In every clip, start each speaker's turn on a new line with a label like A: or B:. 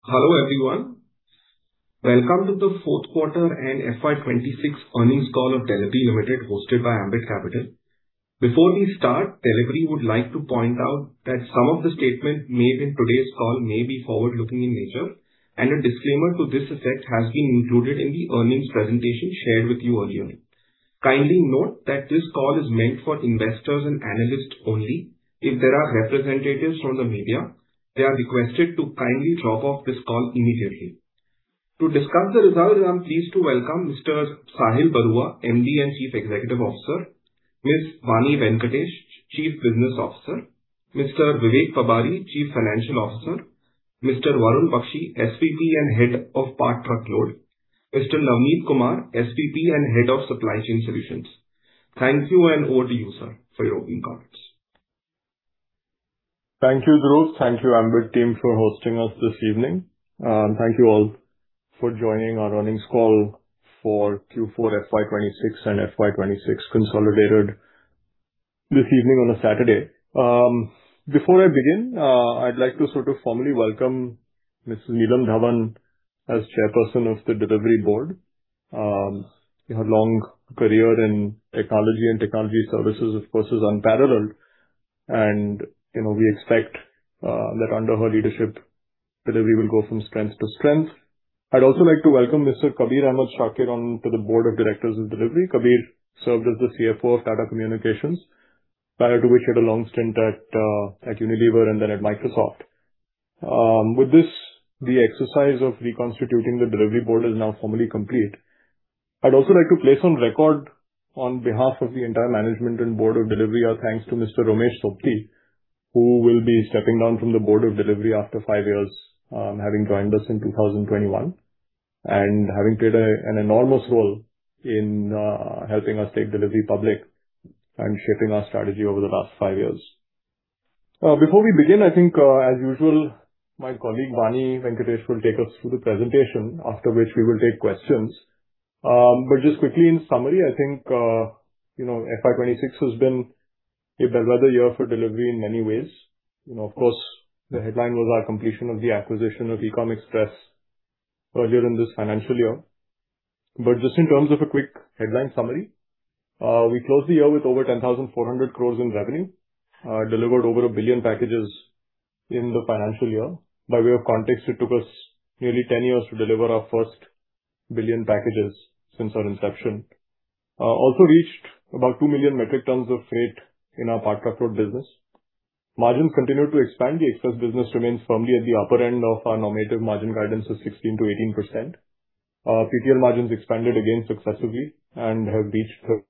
A: Hello, everyone. Welcome to the fourth quarter and FY 2026 earnings call of Delhivery Limited, hosted by Ambit Capital. Before we start, Delhivery would like to point out that some of the statements made in today's call may be forward-looking in nature, and a disclaimer to this effect has been included in the earnings presentation shared with you earlier. Kindly note that this call is meant for investors and analysts only. If there are representatives from the media, they are requested to kindly drop off this call immediately. To discuss the results, I am pleased to welcome Mr. Sahil Barua, MD and Chief Executive Officer, Ms. Vani Venkatesh, Chief Business Officer, Mr. Vivek Pabari, Chief Financial Officer, Mr. Varun Bakshi, SVP and Head of Part Truckload, Mr. Navneet Kumar, SVP and Head of Supply Chain Solutions. Thank you, and over to you, sir, for your opening comments.
B: Thank you, Dhruv. Thank you, Ambit team, for hosting us this evening. Thank you all for joining our earnings call for Q4 FY 2026 and FY 2026 consolidated this evening on a Saturday. Before I begin, I'd like to sort of formally welcome Ms. Neelam Dhawan as Chairperson of the Delhivery Board. Her long career in technology and technology services, of course, is unparalleled. You know, we expect that under her leadership, Delhivery will go from strength to strength. I'd also like to welcome Mr. Kabir Ahmed Shakir onto the Board of Directors of Delhivery. Kabir served as the CFO of Tata Communications, prior to which he had a long stint at Unilever and then at Microsoft. With this, the exercise of reconstituting the Delhivery board is now formally complete. I'd also like to place on record on behalf of the entire management and board of Delhivery our thanks to Mr. Romesh Sobti, who will be stepping down from the board of Delhivery after five years, having joined us in 2021, and having played an enormous role in helping us take Delhivery public and shaping our strategy over the last five years. Before we begin, I think, as usual, my colleague, Vani Venkatesh, will take us through the presentation, after which we will take questions. But just quickly in summary, I think, you know, FY 2026 has been a bellwether year for Delhivery in many ways. You know, of course, the headline was our completion of the acquisition of Ecom Express earlier in this financial year. Just in terms of a quick headline summary, we closed the year with over 10,400 crores in revenue, delivered over 1 billion packages in the financial year. By way of context, it took us nearly 10 years to deliver our first 1 billion packages since our inception. Also reached about 2 million metric tons of freight in our Part Truckload business. Margins continued to expand. The Express Parcel business remains firmly at the upper end of our normative margin guidance of 16%-18%. PTL margins expanded again successively and have reached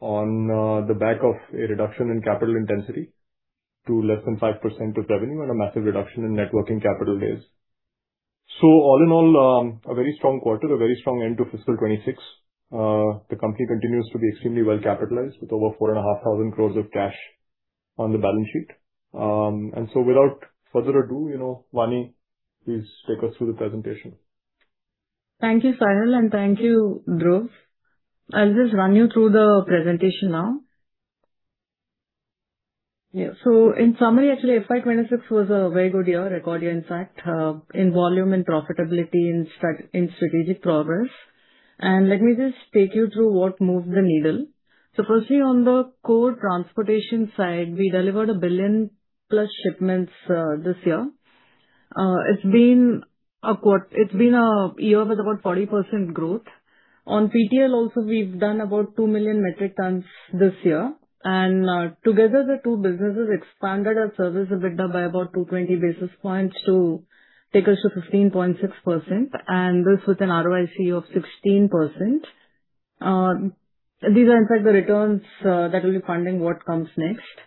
B: on the back of a reduction in capital intensity to less than 5% of revenue and a massive reduction in net working capital days. All in all, a very strong quarter, a very strong end to fiscal 2026. The company continues to be extremely well-capitalized with over 4,500 crores of cash on the balance sheet. Without further ado, you know, Vani, please take us through the presentation.
C: Thank you, Sahil, and thank you, Dhruv. I'll just run you through the presentation now. In summary, actually, FY 2026 was a very good year, a record year in fact, in volume and profitability and in strategic progress. Let me just take you through what moved the needle. Firstly, on the core transportation side, we delivered 1 billion-plus shipments this year. It's been a year with about 40% growth. On PTL also, we've done about 2 million metric tons this year. Together, the two businesses expanded our service EBITDA by about 220 basis points to take us to 15.6%, and this with an ROIC of 16%. These are in fact the returns that will be funding what comes next.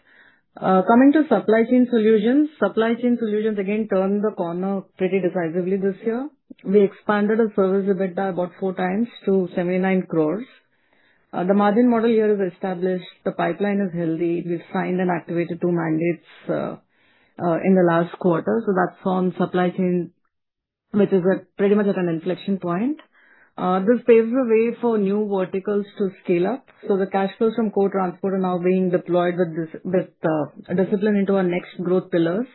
C: Coming to Supply Chain Solutions, Supply Chain Solutions again turned the corner pretty decisively this year. We expanded our service EBITDA about four times to 79 crore. The margin model here is established. The pipeline is healthy. We've signed and activated two mandates in the last quarter, that's on supply chain, which is pretty much at an inflection point. This paves the way for new verticals to scale up. The cash flows from core transport are now being deployed with discipline into our next growth pillars.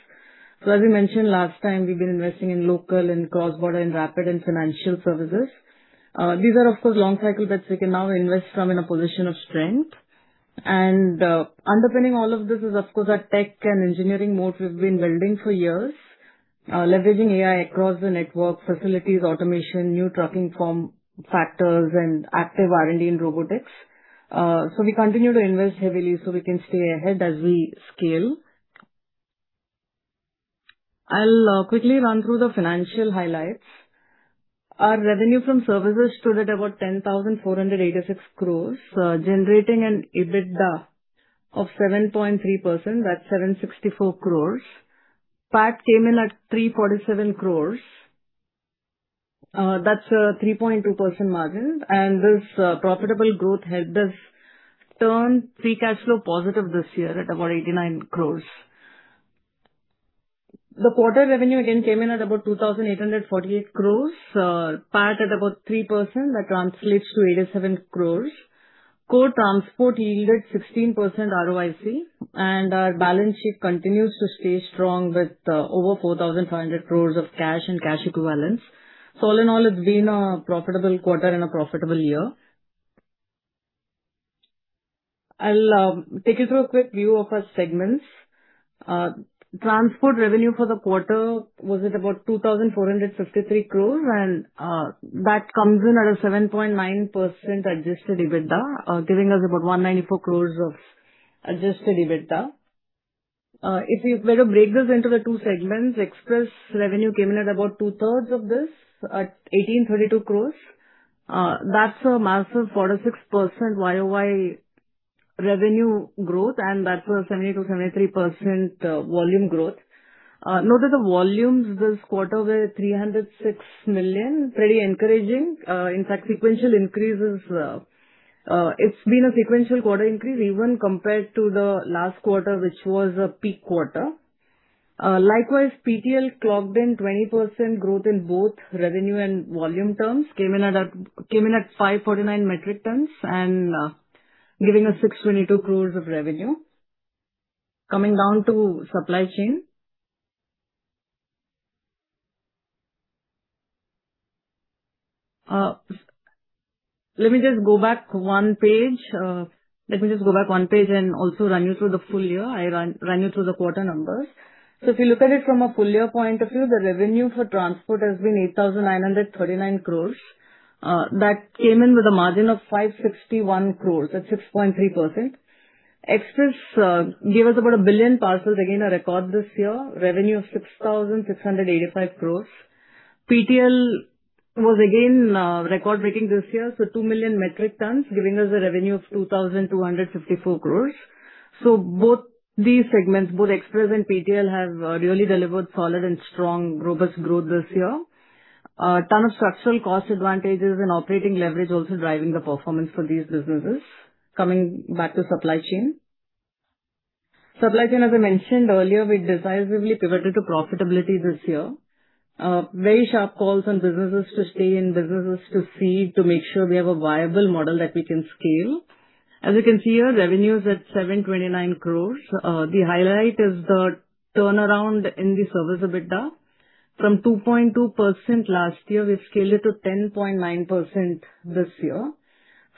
C: As we mentioned last time, we've been investing in local and Cross-Border and Rapid and financial services. These are, of course, long cycles that we can now invest from in a position of strength. Underpinning all of this is, of course, our tech and engineering moat we've been building for years, leveraging AI across the network, facilities, automation, new trucking form factors, and active R&D in robotics. We continue to invest heavily so we can stay ahead as we scale. I'll quickly run through the financial highlights. Our revenue from services stood at about 10,486 crores, generating an EBITDA of 7.3%, that's 764 crores. PAT came in at 347 crores, that's a 3.2% margin. This profitable growth helped us turn free cash flow positive this year at about 89 crores. The quarter revenue again came in at about 2,848 crores, PAT at about 3%. That translates to 87 crores. Core transport yielded 16% ROIC, our balance sheet continues to stay strong with over 4,500 crores of cash and cash equivalents. All in all, it's been a profitable quarter and a profitable year. I'll take you through a quick view of our segments. Transport revenue for the quarter was at about 2,453 crores, that comes in at a 7.9% adjusted EBITDA, giving us about 194 crores of adjusted EBITDA. If you were to break this into the two segments, express revenue came in at about two-thirds of this, at 1,832 crores. That's a massive 46% YoY revenue growth, that's a 70%-73% volume growth. Note that the volumes this quarter were 306 million. Very encouraging. In fact, sequential increase, it's been a sequential quarter increase even compared to the last quarter, which was a peak quarter. Likewise, PTL clocked in 20% growth in both revenue and volume terms, came in at 549 metric tons and giving us 622 crores of revenue. Coming down to supply chain. Let me just go back one page. Let me just go back one page and also run you through the full year. I run you through the quarter numbers. If you look at it from a full year point of view, the revenue for transport has been 8,939 crores. That came in with a margin of 561 crores at 6.3%. Express gave us about 1 billion parcels, again, a record this year. Revenue of 6,685 crore. PTL was again record-breaking this year, so 2 million metric tons, giving us a revenue of 2,254 crore. Both these segments, both Express and PTL, have really delivered solid and strong robust growth this year. Ton of structural cost advantages and operating leverage also driving the performance for these businesses. Coming back to supply chain. Supply chain, as I mentioned earlier, we decisively pivoted to profitability this year. Very sharp calls on businesses to stay in, businesses to cede to make sure we have a viable model that we can scale. As you can see here, revenue is at 729 crore. The highlight is the turnaround in the service EBITDA. From 2.2% last year, we've scaled it to 10.9% this year.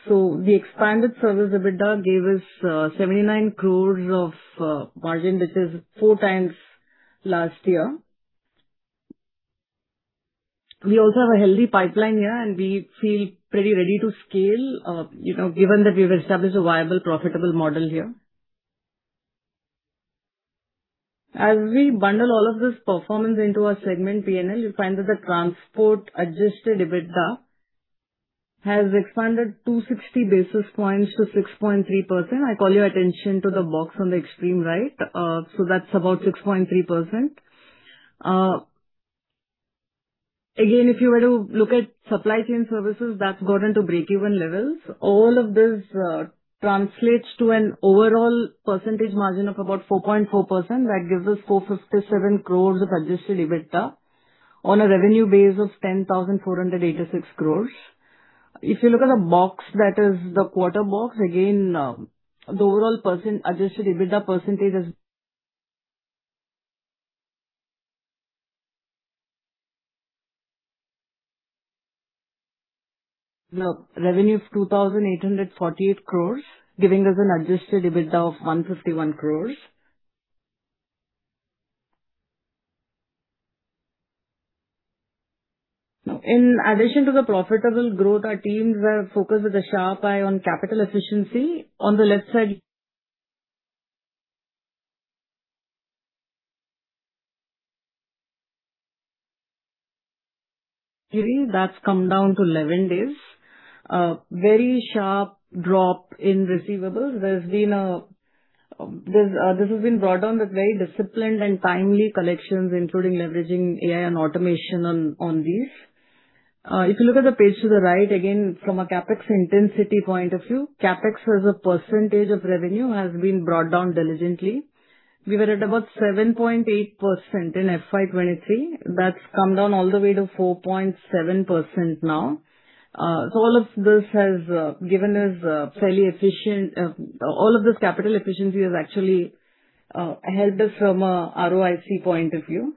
C: The expanded service EBITDA gave us 79 crores of margin, which is 4x last year. We also have a healthy pipeline here, and we feel pretty ready to scale, you know, given that we've established a viable, profitable model here. As we bundle all of this performance into our segment P&L, you'll find that the transport adjusted EBITDA has expanded 260 basis points to 6.3%. I call your attention to the box on the extreme right. That's about 6.3%. Again, if you were to look at Supply Chain Solutions, that's gotten to breakeven levels. All of this translates to an overall percentage margin of about 4.4%. That gives us 457 crores of adjusted EBITDA on a revenue base of 10,486 crores. You look at the box, that is the quarter box, again, the overall adjusted EBITDA % is Now, revenue of 2,848 crores, giving us an adjusted EBITDA of 151 crores. In addition to the profitable growth, our teams are focused with a sharp eye on capital efficiency. On the left side theory, that's come down to 11 days. Very sharp drop in receivables. This has been brought down with very disciplined and timely collections, including leveraging AI and automation on these. You look at the page to the right, again, from a CapEx intensity point of view, CapEx as a % of revenue has been brought down diligently. We were at about 7.8% in FY 2023. That's come down all the way to 4.7% now. All of this capital efficiency has actually helped us from a ROIC point of view.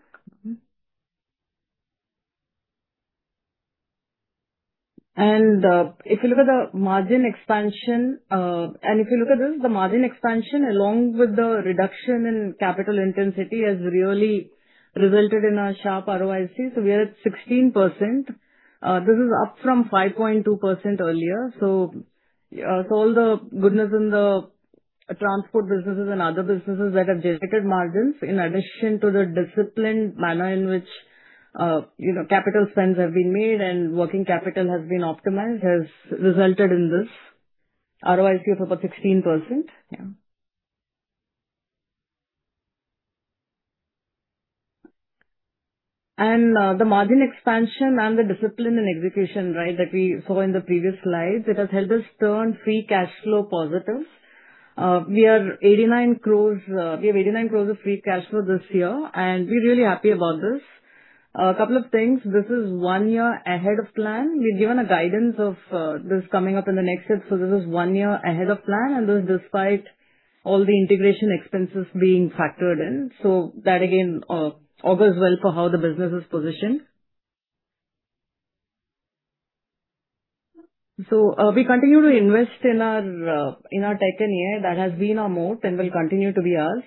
C: If you look at the margin expansion, and if you look at this, the margin expansion along with the reduction in capital intensity has really resulted in a sharp ROIC. We are at 16%. This is up from 5.2% earlier. All the goodness in the transport businesses and other businesses that have generated margins, in addition to the disciplined manner in which, you know, capital spends have been made and working capital has been optimized, has resulted in this ROIC of about 16%. Yeah. The margin expansion and the discipline and execution, right, that we saw in the previous slide, it has helped us turn free cash flow positive. We are 89 crore, we have 89 crore of free cash flow this year, and we're really happy about this. A couple of things. This is one year ahead of plan. We'd given a guidance of this coming up in the next year, so this is one year ahead of plan, and this is despite all the integration expenses being factored in. That, again, augurs well for how the business is positioned. We continue to invest in our tech and AI. That has been our moat and will continue to be ours.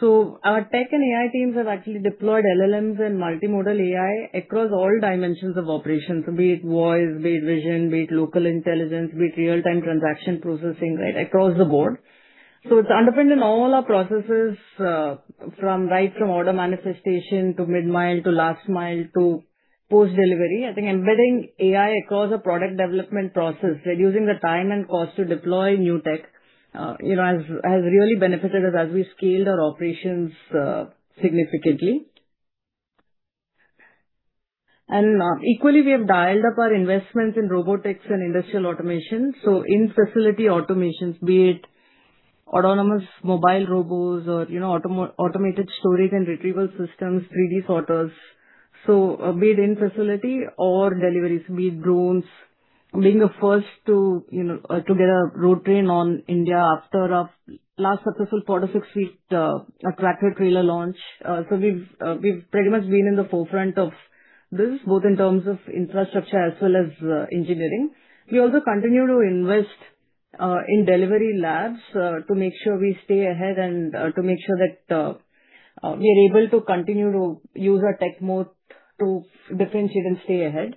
C: Our tech and AI teams have actually deployed LLMs and multimodal AI across all dimensions of operations, be it voice, be it vision, be it local intelligence, be it real-time transaction processing, right, across the board. It's underpinned in all our processes, from right from order manifestation to mid-mile to last mile to post-delivery. I think embedding AI across the product development process, reducing the time and cost to deploy new tech, you know, has really benefited us as we scaled our operations significantly. Equally, we have dialed up our investments in robotics and industrial automation. In-facility automations, be it autonomous mobile robots or, you know, automated storage and retrieval systems, 3D sorters. Be it in-facility or deliveries, be it drones. Being the first to, you know, to get a road train on India after our last successful 46-feet tractor-trailer launch. We've pretty much been in the forefront of this, both in terms of infrastructure as well as engineering. We also continue to invest in Delhivery Labs to make sure we stay ahead and to make sure that we are able to continue to use our tech moat to differentiate and stay ahead.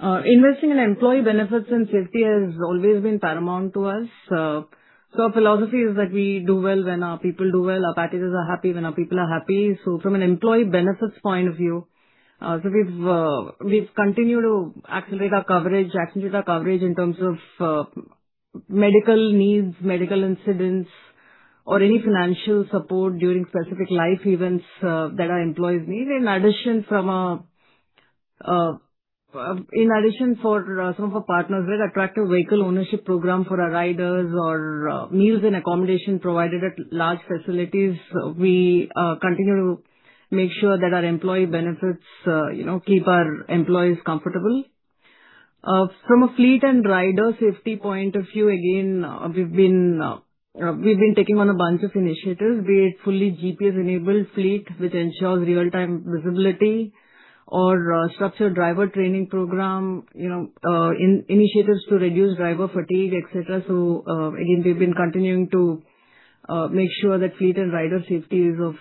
C: Investing in employee benefits and safety has always been paramount to us. Our philosophy is that we do well when our people do well. Our packages are happy when our people are happy. From an employee benefits point of view, we've continued to accelerate our coverage in terms of medical needs, medical incidents, or any financial support during specific life events that our employees need. In addition, for some of our partners, we have attractive vehicle ownership program for our riders or meals and accommodation provided at large facilities. We continue to make sure that our employee benefits, you know, keep our employees comfortable. From a fleet and rider safety point of view, again, we've been taking on a bunch of initiatives, be it fully GPS-enabled fleet, which ensures real-time visibility or a structured driver training program, you know, initiatives to reduce driver fatigue, et cetera. Again, we've been continuing to make sure that fleet and rider safety is of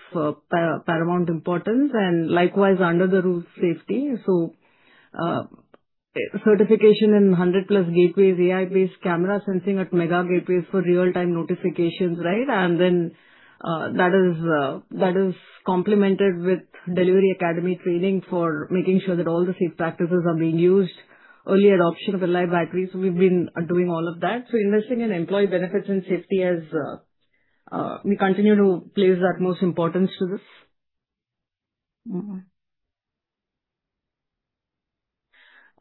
C: paramount importance and likewise under the roof safety. Certification in 100+ gateways, AI-based camera sensing at mega gateways for real-time notifications. That is complemented with Delhivery Academy training for making sure that all the safe practices are being used. Early adoption of the Li batteries. We've been doing all of that. Investing in employee benefits and safety as we continue to place utmost importance to this.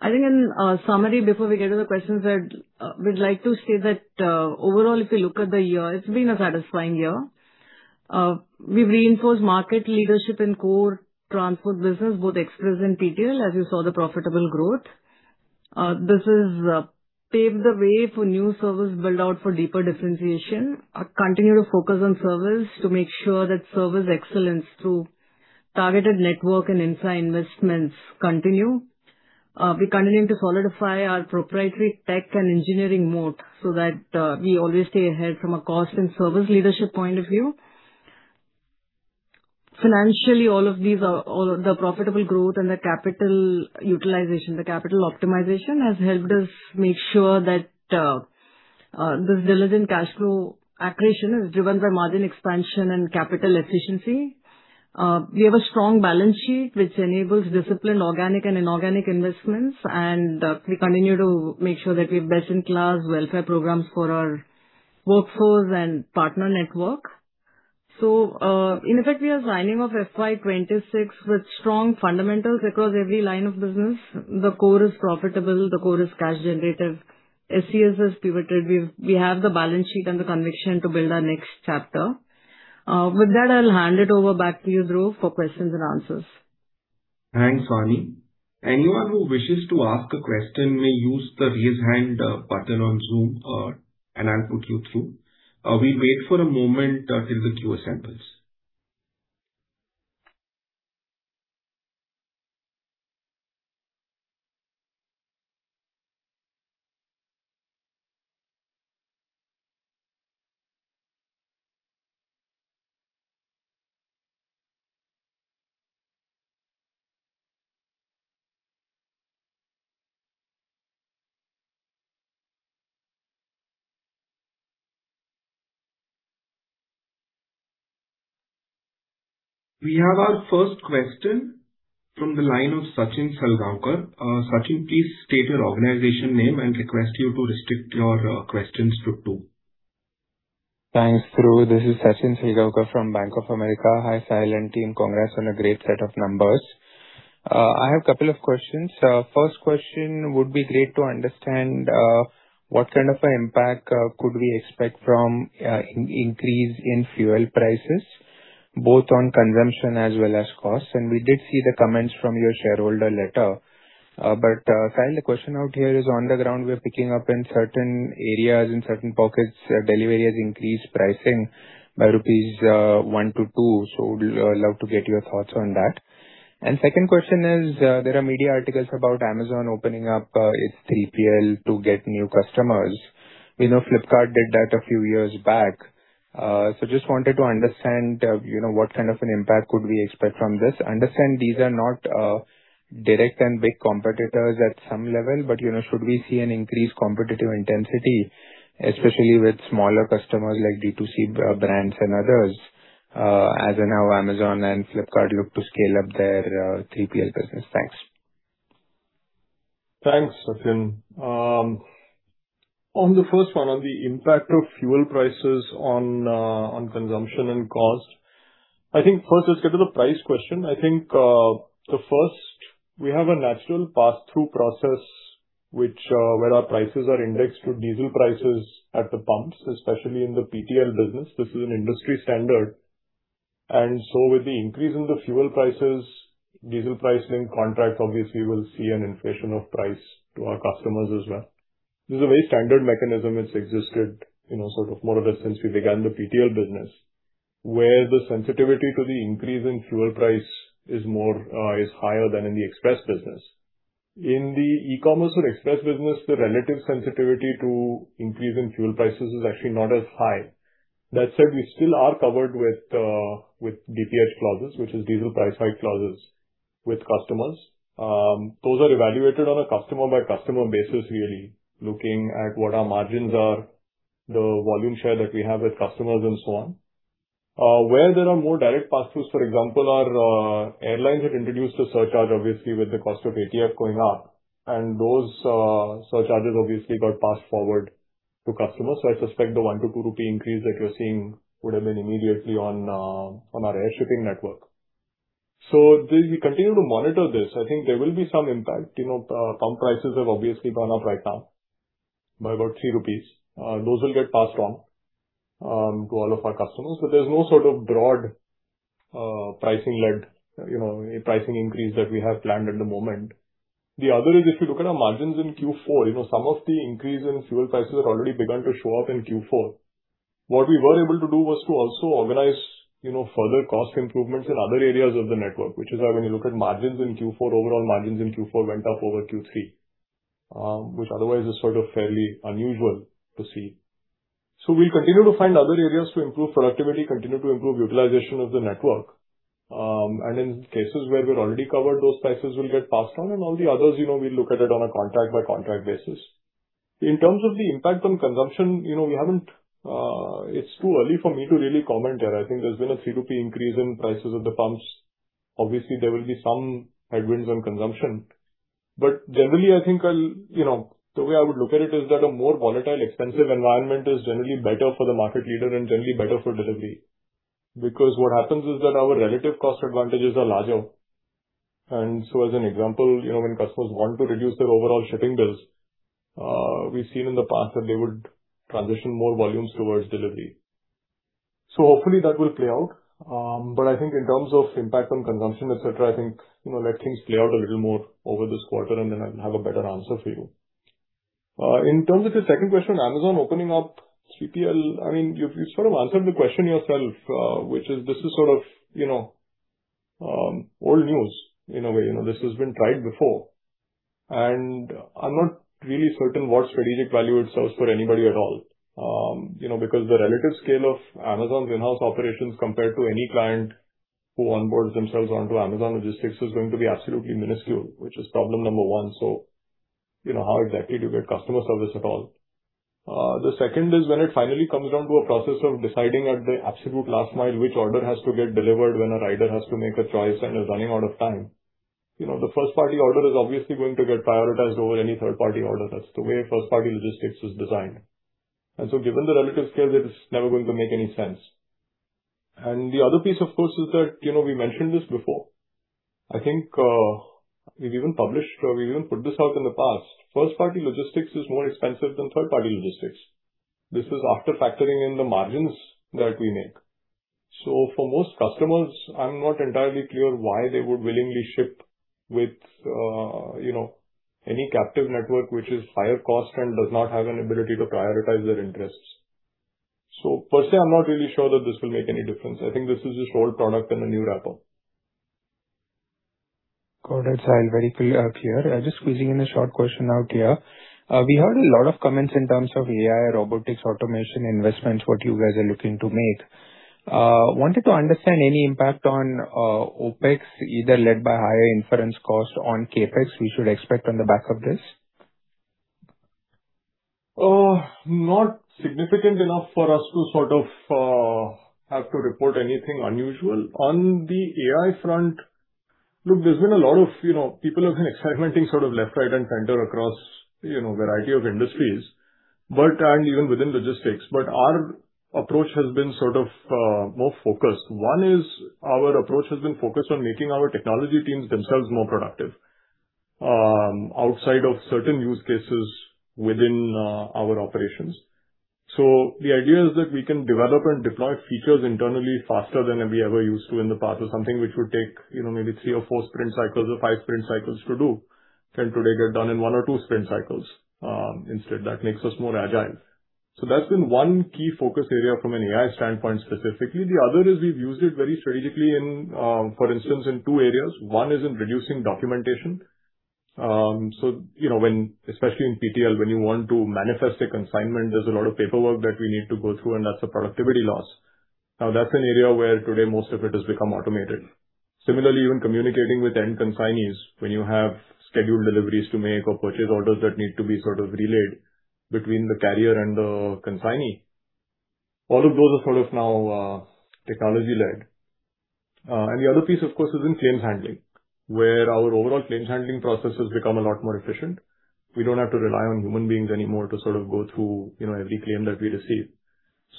C: I think in summary, before we get to the questions that we'd like to say that overall, if you look at the year, it's been a satisfying year. We've reinforced market leadership in core transport business, both Express and PTL, as you saw the profitable growth. This has paved the way for new service build-out for deeper differentiation. Continue to focus on service to make sure that service excellence through targeted network and insight investments continue. We continue to solidify our proprietary tech and engineering moat so that we always stay ahead from a cost and service leadership point of view. Financially, all of the profitable growth and the capital utilization, the capital optimization has helped us make sure that this resilient cash flow accretion is driven by margin expansion and capital efficiency. We have a strong balance sheet which enables disciplined organic and inorganic investments, and we continue to make sure that we have best-in-class welfare programs for our workforce and partner network. In effect, we are signing off FY 2026 with strong fundamentals across every line of business. The core is profitable, the core is cash generative. SCS has pivoted. We have the balance sheet and the conviction to build our next chapter. With that, I'll hand it over back to you, Dhruv, for questions and answers.
A: Thanks, Vani. Anyone who wishes to ask a question may use the Raise Hand button on Zoom and I'll put you through. We'll wait for a moment till the queue assembles. We have our first question from the line of Sachin Salgaonkar. Sachin, please state your organization name and request you to restrict your questions to two.
D: Thanks, Dhruv. This is Sachin Salgaonkar from Bank of America. Hi, Sahil and team. Congrats on a great set of numbers. I have a couple of questions. First question, would be great to understand what kind of a impact could we expect from increase in fuel prices, both on consumption as well as costs? We did see the comments from your shareholder letter. Sahil, the question out here is on the ground we are picking up in certain areas, in certain pockets, Delhivery has increased pricing by 1-2 rupees. Would love to get your thoughts on that. Second question is, there are media articles about Amazon opening up its 3PL to get new customers. We know Flipkart did that a few years back. Just wanted to understand, you know, what kind of an impact could we expect from this? Understand these are not direct and big competitors at some level. You know, should we see an increased competitive intensity, especially with smaller customers like D2C brands and others, as in how Amazon and Flipkart look to scale up their 3PL business? Thanks.
B: Thanks, Sachin. On the first one, on the impact of fuel prices on consumption and cost, I think first let's get to the price question. I think, we have a natural pass-through process which where our prices are indexed to diesel prices at the pumps, especially in the PTL business. This is an industry standard. With the increase in the fuel prices, diesel price link contracts obviously will see an inflation of price to our customers as well. This is a very standard mechanism. It's existed, you know, sort of more or less since we began the PTL business, where the sensitivity to the increase in fuel price is higher than in the Express business. In the e-commerce or Express business, the relative sensitivity to increase in fuel prices is actually not as high. That said, we still are covered with DPH clauses, which is diesel price hike clauses with customers. Those are evaluated on a customer by customer basis really, looking at what our margins are, the volume share that we have with customers and so on. Where there are more direct pass-throughs, for example, are airlines had introduced a surcharge obviously with the cost of ATF going up, those surcharges obviously got passed forward to customers. I suspect the 1-2 rupee increase that you're seeing would have been immediately on our air shipping network. We continue to monitor this. I think there will be some impact. You know, pump prices have obviously gone up right now by about 3 rupees. Those will get passed on to all of our customers. There's no sort of broad, pricing-led, you know, pricing increase that we have planned at the moment. The other is if you look at our margins in Q4, you know, some of the increase in fuel prices have already begun to show up in Q4. What we were able to do was to also organize, you know, further cost improvements in other areas of the network, which is why when you look at margins in Q4, overall margins in Q4 went up over Q3, which otherwise is sort of fairly unusual to see. We'll continue to find other areas to improve productivity, continue to improve utilization of the network. In cases where we're already covered, those prices will get passed on and all the others, you know, we look at it on a contract by contract basis. In terms of the impact on consumption, you know, It's too early for me to really comment there. I think there's been a 3 rupee increase in prices at the pumps. Obviously, there will be some headwinds on consumption. Generally I think I'll, you know, the way I would look at it is that a more volatile expensive environment is generally better for the market leader and generally better for Delhivery. What happens is that our relative cost advantages are larger. As an example, you know, when customers want to reduce their overall shipping bills, we've seen in the past that they would transition more volumes towards Delhivery. Hopefully that will play out. I think in terms of impact on consumption, et cetera, I think, you know, let things play out a little more over this quarter, and then I'll have a better answer for you. In terms of your second question on Amazon opening up 3PL, I mean, you've sort of answered the question yourself, which is this is sort of, you know, old news in a way. You know, this has been tried before, and I'm not really certain what strategic value it serves for anybody at all. You know, because the relative scale of Amazon's in-house operations compared to any client who onboards themselves onto Amazon Logistics is going to be absolutely minuscule, which is problem number one. You know, how exactly do you get customer service at all? The second is when it finally comes down to a process of deciding at the absolute last mile which order has to get delivered when a rider has to make a choice and is running out of time, you know, the first-party order is obviously going to get prioritized over any third-party order. That's the way First-party logistics is designed. Given the relative scale, it is never going to make any sense. The other piece, of course, is that, you know, we mentioned this before. I think, we've even published or we've even put this out in the past. First-party logistics is more expensive than Third-party logistics. This is after factoring in the margins that we make. For most customers, I'm not entirely clear why they would willingly ship with, you know, any captive network which is higher cost and does not have an ability to prioritize their interests. Per se, I'm not really sure that this will make any difference. I think this is just old product in a new wrapper.
D: Got it, Sahil. Very clear. Just squeezing in a short question out here. We heard a lot of comments in terms of AI, robotics, automation investments, what you guys are looking to make. I wanted to understand any impact on OpEx either led by higher inference costs on CapEx we should expect on the back of this?
B: Not significant enough for us to sort of have to report anything unusual. On the AI front, look, there's been a lot of, you know, people have been experimenting sort of left, right, and center across, you know, a variety of industries, and even within logistics. Our approach has been sort of more focused. One is our approach has been focused on making our technology teams themselves more productive, outside of certain use cases within our operations. The idea is that we can develop and deploy features internally faster than we ever used to in the past, or something which would take, you know, maybe three or four sprint cycles or five sprint cycles to do can today get done in one or two sprint cycles instead. That makes us more agile. That's been one key focus area from an AI standpoint specifically. The other is we've used it very strategically in, for instance, in two areas. One is in reducing documentation. You know when especially in PTL, when you want to manifest a consignment, there's a lot of paperwork that we need to go through, and that's a productivity loss. Now, that's an area where today most of it has become automated. Similarly, even communicating with end consignees, when you have scheduled deliveries to make or purchase orders that need to be sort of relayed between the carrier and the consignee, all of those are sort of now, technology-led. The other piece, of course, is in claims handling, where our overall claims handling process has become a lot more efficient. We don't have to rely on human beings anymore to sort of go through, you know, every claim that we receive.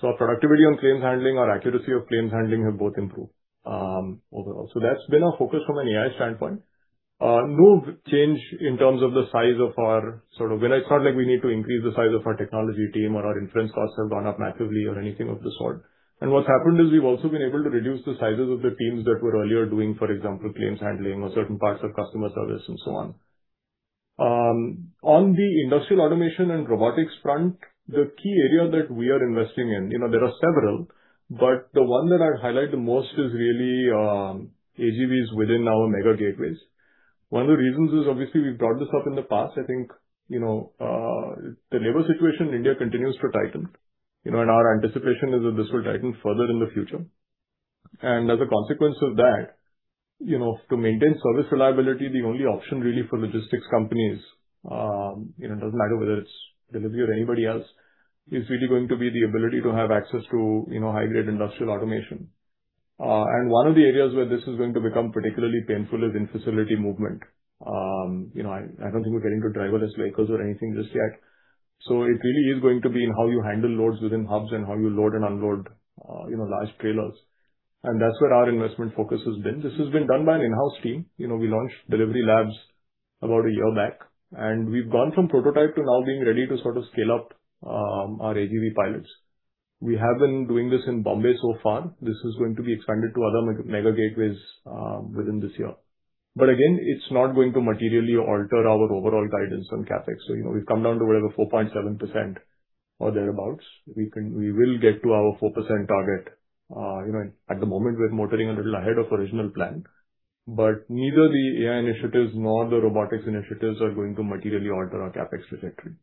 B: Our productivity on claims handling, our accuracy of claims handling have both improved overall. That's been our focus from an AI standpoint. No change in terms of the size of our sort of Well, it's not like we need to increase the size of our technology team or our inference costs have gone up massively or anything of the sort. What's happened is we've also been able to reduce the sizes of the teams that were earlier doing, for example, claims handling or certain parts of customer service and so on. On the industrial automation and robotics front, the key area that we are investing in, you know, there are several, but the one that I'd highlight the most is really AGVs within our mega gateways. One of the reasons is obviously we've brought this up in the past. I think, you know, the labor situation in India continues to tighten, you know, our anticipation is that this will tighten further in the future. As a consequence of that, you know, to maintain service reliability, the only option really for logistics companies, you know, it doesn't matter whether it's Delhivery or anybody else, is really going to be the ability to have access to, you know, high-grade industrial automation. One of the areas where this is going to become particularly painful is in facility movement. You know, I don't think we're getting to driverless vehicles or anything just yet. It really is going to be in how you handle loads within hubs and how you load and unload, you know, large trailers, and that's where our investment focus has been. This has been done by an in-house team. You know, we launched Delhivery Labs about a year back, and we've gone from prototype to now being ready to sort of scale up our AGV pilots. We have been doing this in Bombay so far. This is going to be expanded to other mega gateways within this year. Again, it's not going to materially alter our overall guidance on CapEx. You know, we've come down to whatever, 4.7% or thereabouts. We will get to our 4% target. you know, at the moment, we're motoring a little ahead of original plan, but neither the AI initiatives nor the robotics initiatives are going to materially alter our CapEx trajectory.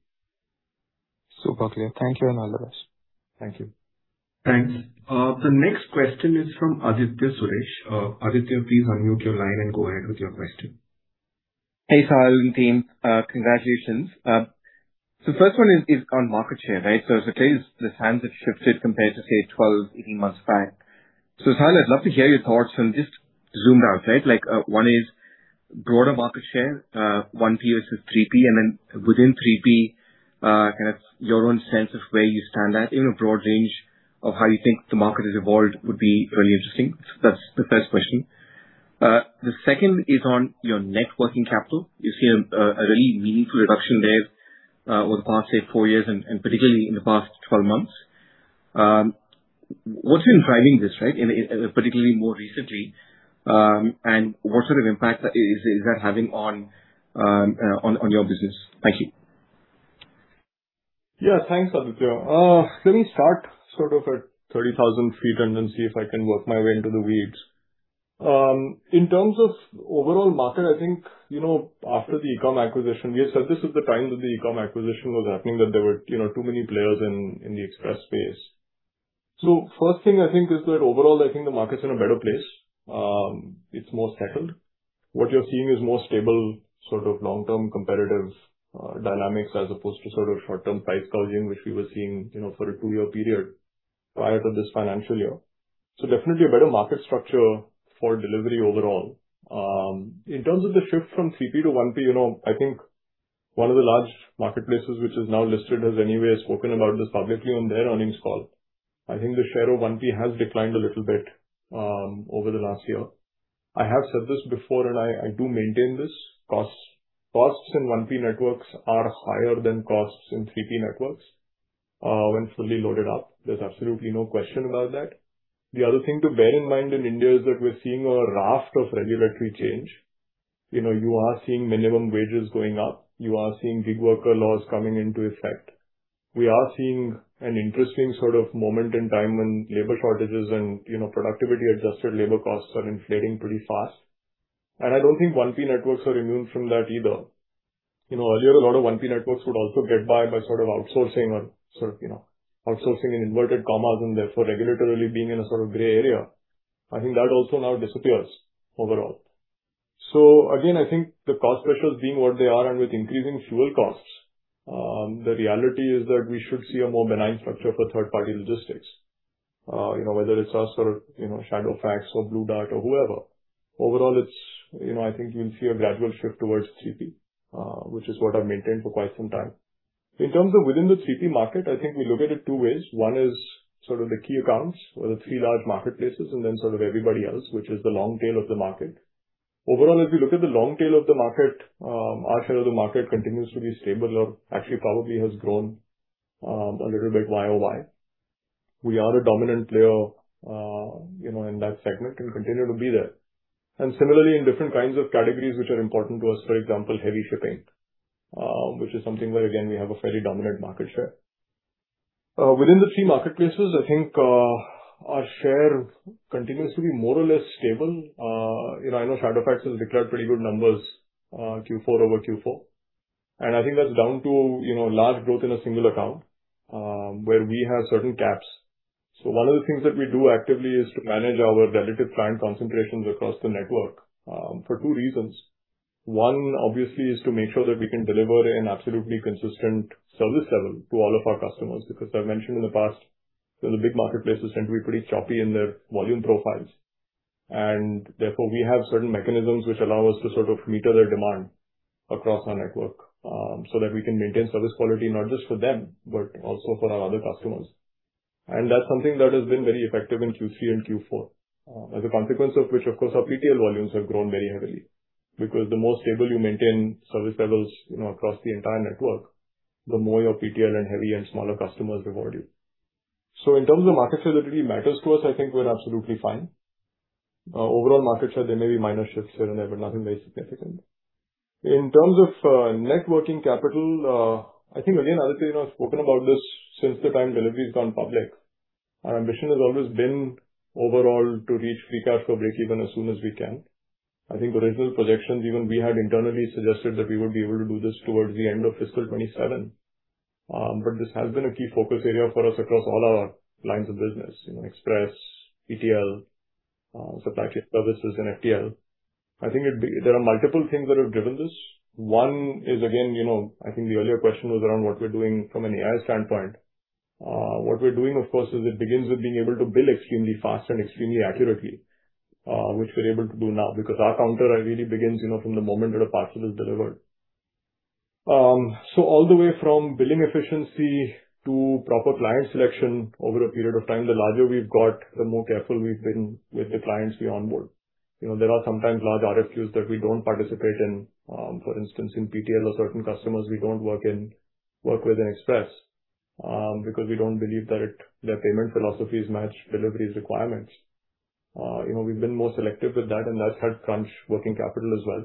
D: Super clear. Thank you, and all the best.
B: Thank you.
A: Thanks. The next question is from Aditya Suresh. Aditya, please unmute your line and go ahead with your question.
E: Hey, Sahil and team. Congratulations. First one is on market share, right? As I tell you, the sands have shifted compared to, say, 12, 18 months back. Sahil, I'd love to hear your thoughts and just zoomed out, right? One is broader market share, one view is just 3P, within 3P, kind of your own sense of where you stand at in a broad range of how you think the market has evolved would be really interesting. That's the first question. The second is on your net working capital. You've seen a really meaningful reduction there over the past, say, 4 years and particularly in the past 12 months. What's been driving this, right, particularly more recently? What sort of impact is that having on your business? Thank you.
B: Yeah. Thanks, Aditya. Let me start sort of at 30,000 feet and then see if I can work my way into the weeds. In terms of overall market, I think, you know, after the Ecom acquisition, we had said this at the time that the Ecom acquisition was happening, that there were, you know, too many players in the express space. First thing I think is that overall, I think the market's in a better place. It's more settled. What you're seeing is more stable, sort of long-term competitive dynamics as opposed to sort of short-term price gouging, which we were seeing, you know, for a 2-year period prior to this financial year. Definitely a better market structure for Delhivery overall. In terms of the shift from 3P to 1P, you know, I think one of the large marketplaces which is now listed has anyway spoken about this publicly on their earnings call. I think the share of 1P has declined a little bit over the last year. I do maintain this. Costs, costs in 1P networks are higher than costs in 3P networks when fully loaded up. There's absolutely no question about that. The other thing to bear in mind in India is that we're seeing a raft of regulatory change. You know, you are seeing minimum wages going up. You are seeing gig worker laws coming into effect. We are seeing an interesting sort of moment in time when labor shortages and, you know, productivity-adjusted labor costs are inflating pretty fast, and I don't think 1P networks are immune from that either. You know, earlier, a lot of 1P networks could also get by sort of outsourcing or sort of, you know, outsourcing in inverted commas and therefore regulatorily being in a sort of gray area. I think that also now disappears overall. Again, I think the cost pressures being what they are and with increasing fuel costs, the reality is that we should see a more benign structure for third-party logistics. You know, whether it's us or, you know, Shadowfax or Blue Dart or whoever. Overall, it's, you know, I think you'll see a gradual shift towards 3P, which is what I've maintained for quite some time. In terms of within the 3P market, I think we look at it two ways. One is sort of the key accounts or the three large marketplaces, and then sort of everybody else, which is the long tail of the market. Overall, as we look at the long tail of the market, our share of the market continues to be stable or actually probably has grown a little bit YoY. We are a dominant player, you know, in that segment and continue to be there. Similarly, in different kinds of categories which are important to us, for example, heavy shipping, which is something where again, we have a fairly dominant market share. Within the three marketplaces, I think, our share continues to be more or less stable. You know, I know Shadowfax has declared pretty good numbers, Q4 over Q4. I think that's down to, you know, large growth in a single account where we have certain caps. One of the things that we do actively is to manage our relative client concentrations across the network for two reasons. One, obviously, is to make sure that we can deliver an absolutely consistent service level to all of our customers, because I've mentioned in the past that the big marketplaces tend to be pretty choppy in their volume profiles, and therefore, we have certain mechanisms which allow us to sort of meter their demand across our network so that we can maintain service quality not just for them, but also for our other customers. That's something that has been very effective in Q3 and Q4. As a consequence of which, of course, our PTL volumes have grown very heavily because the more stable you maintain service levels, you know, across the entire network, the more your PTL and heavy and smaller customers reward you. In terms of market share that really matters to us, I think we're absolutely fine. Overall market share, there may be minor shifts here and there, but nothing very significant. In terms of net working capital, I think again, Aditya and I have spoken about this since the time Delhivery's gone public. Our ambition has always been overall to reach free cash flow breakeven as soon as we can. I think original projections, even we had internally suggested that we would be able to do this towards the end of fiscal 2027. This has been a key focus area for us across all our lines of business, you know, express, PTL, supply chain services and FTL. I think there are multiple things that have driven this. 1 is, again, you know, I think the earlier question was around what we're doing from an AI standpoint. What we're doing, of course, it begins with being able to bill extremely fast and extremely accurately, which we're able to do now because our counter really begins, you know, from the moment that a parcel is delivered. So all the way from billing efficiency to proper client selection over a period of time, the larger we've got, the more careful we've been with the clients we onboard. You know, there are sometimes large RFQs that we don't participate in. For instance, in PTL or certain customers we don't work with in express, because we don't believe that it, their payment philosophies match Delhivery's requirements. You know, we've been more selective with that, and that's helped crunch working capital as well,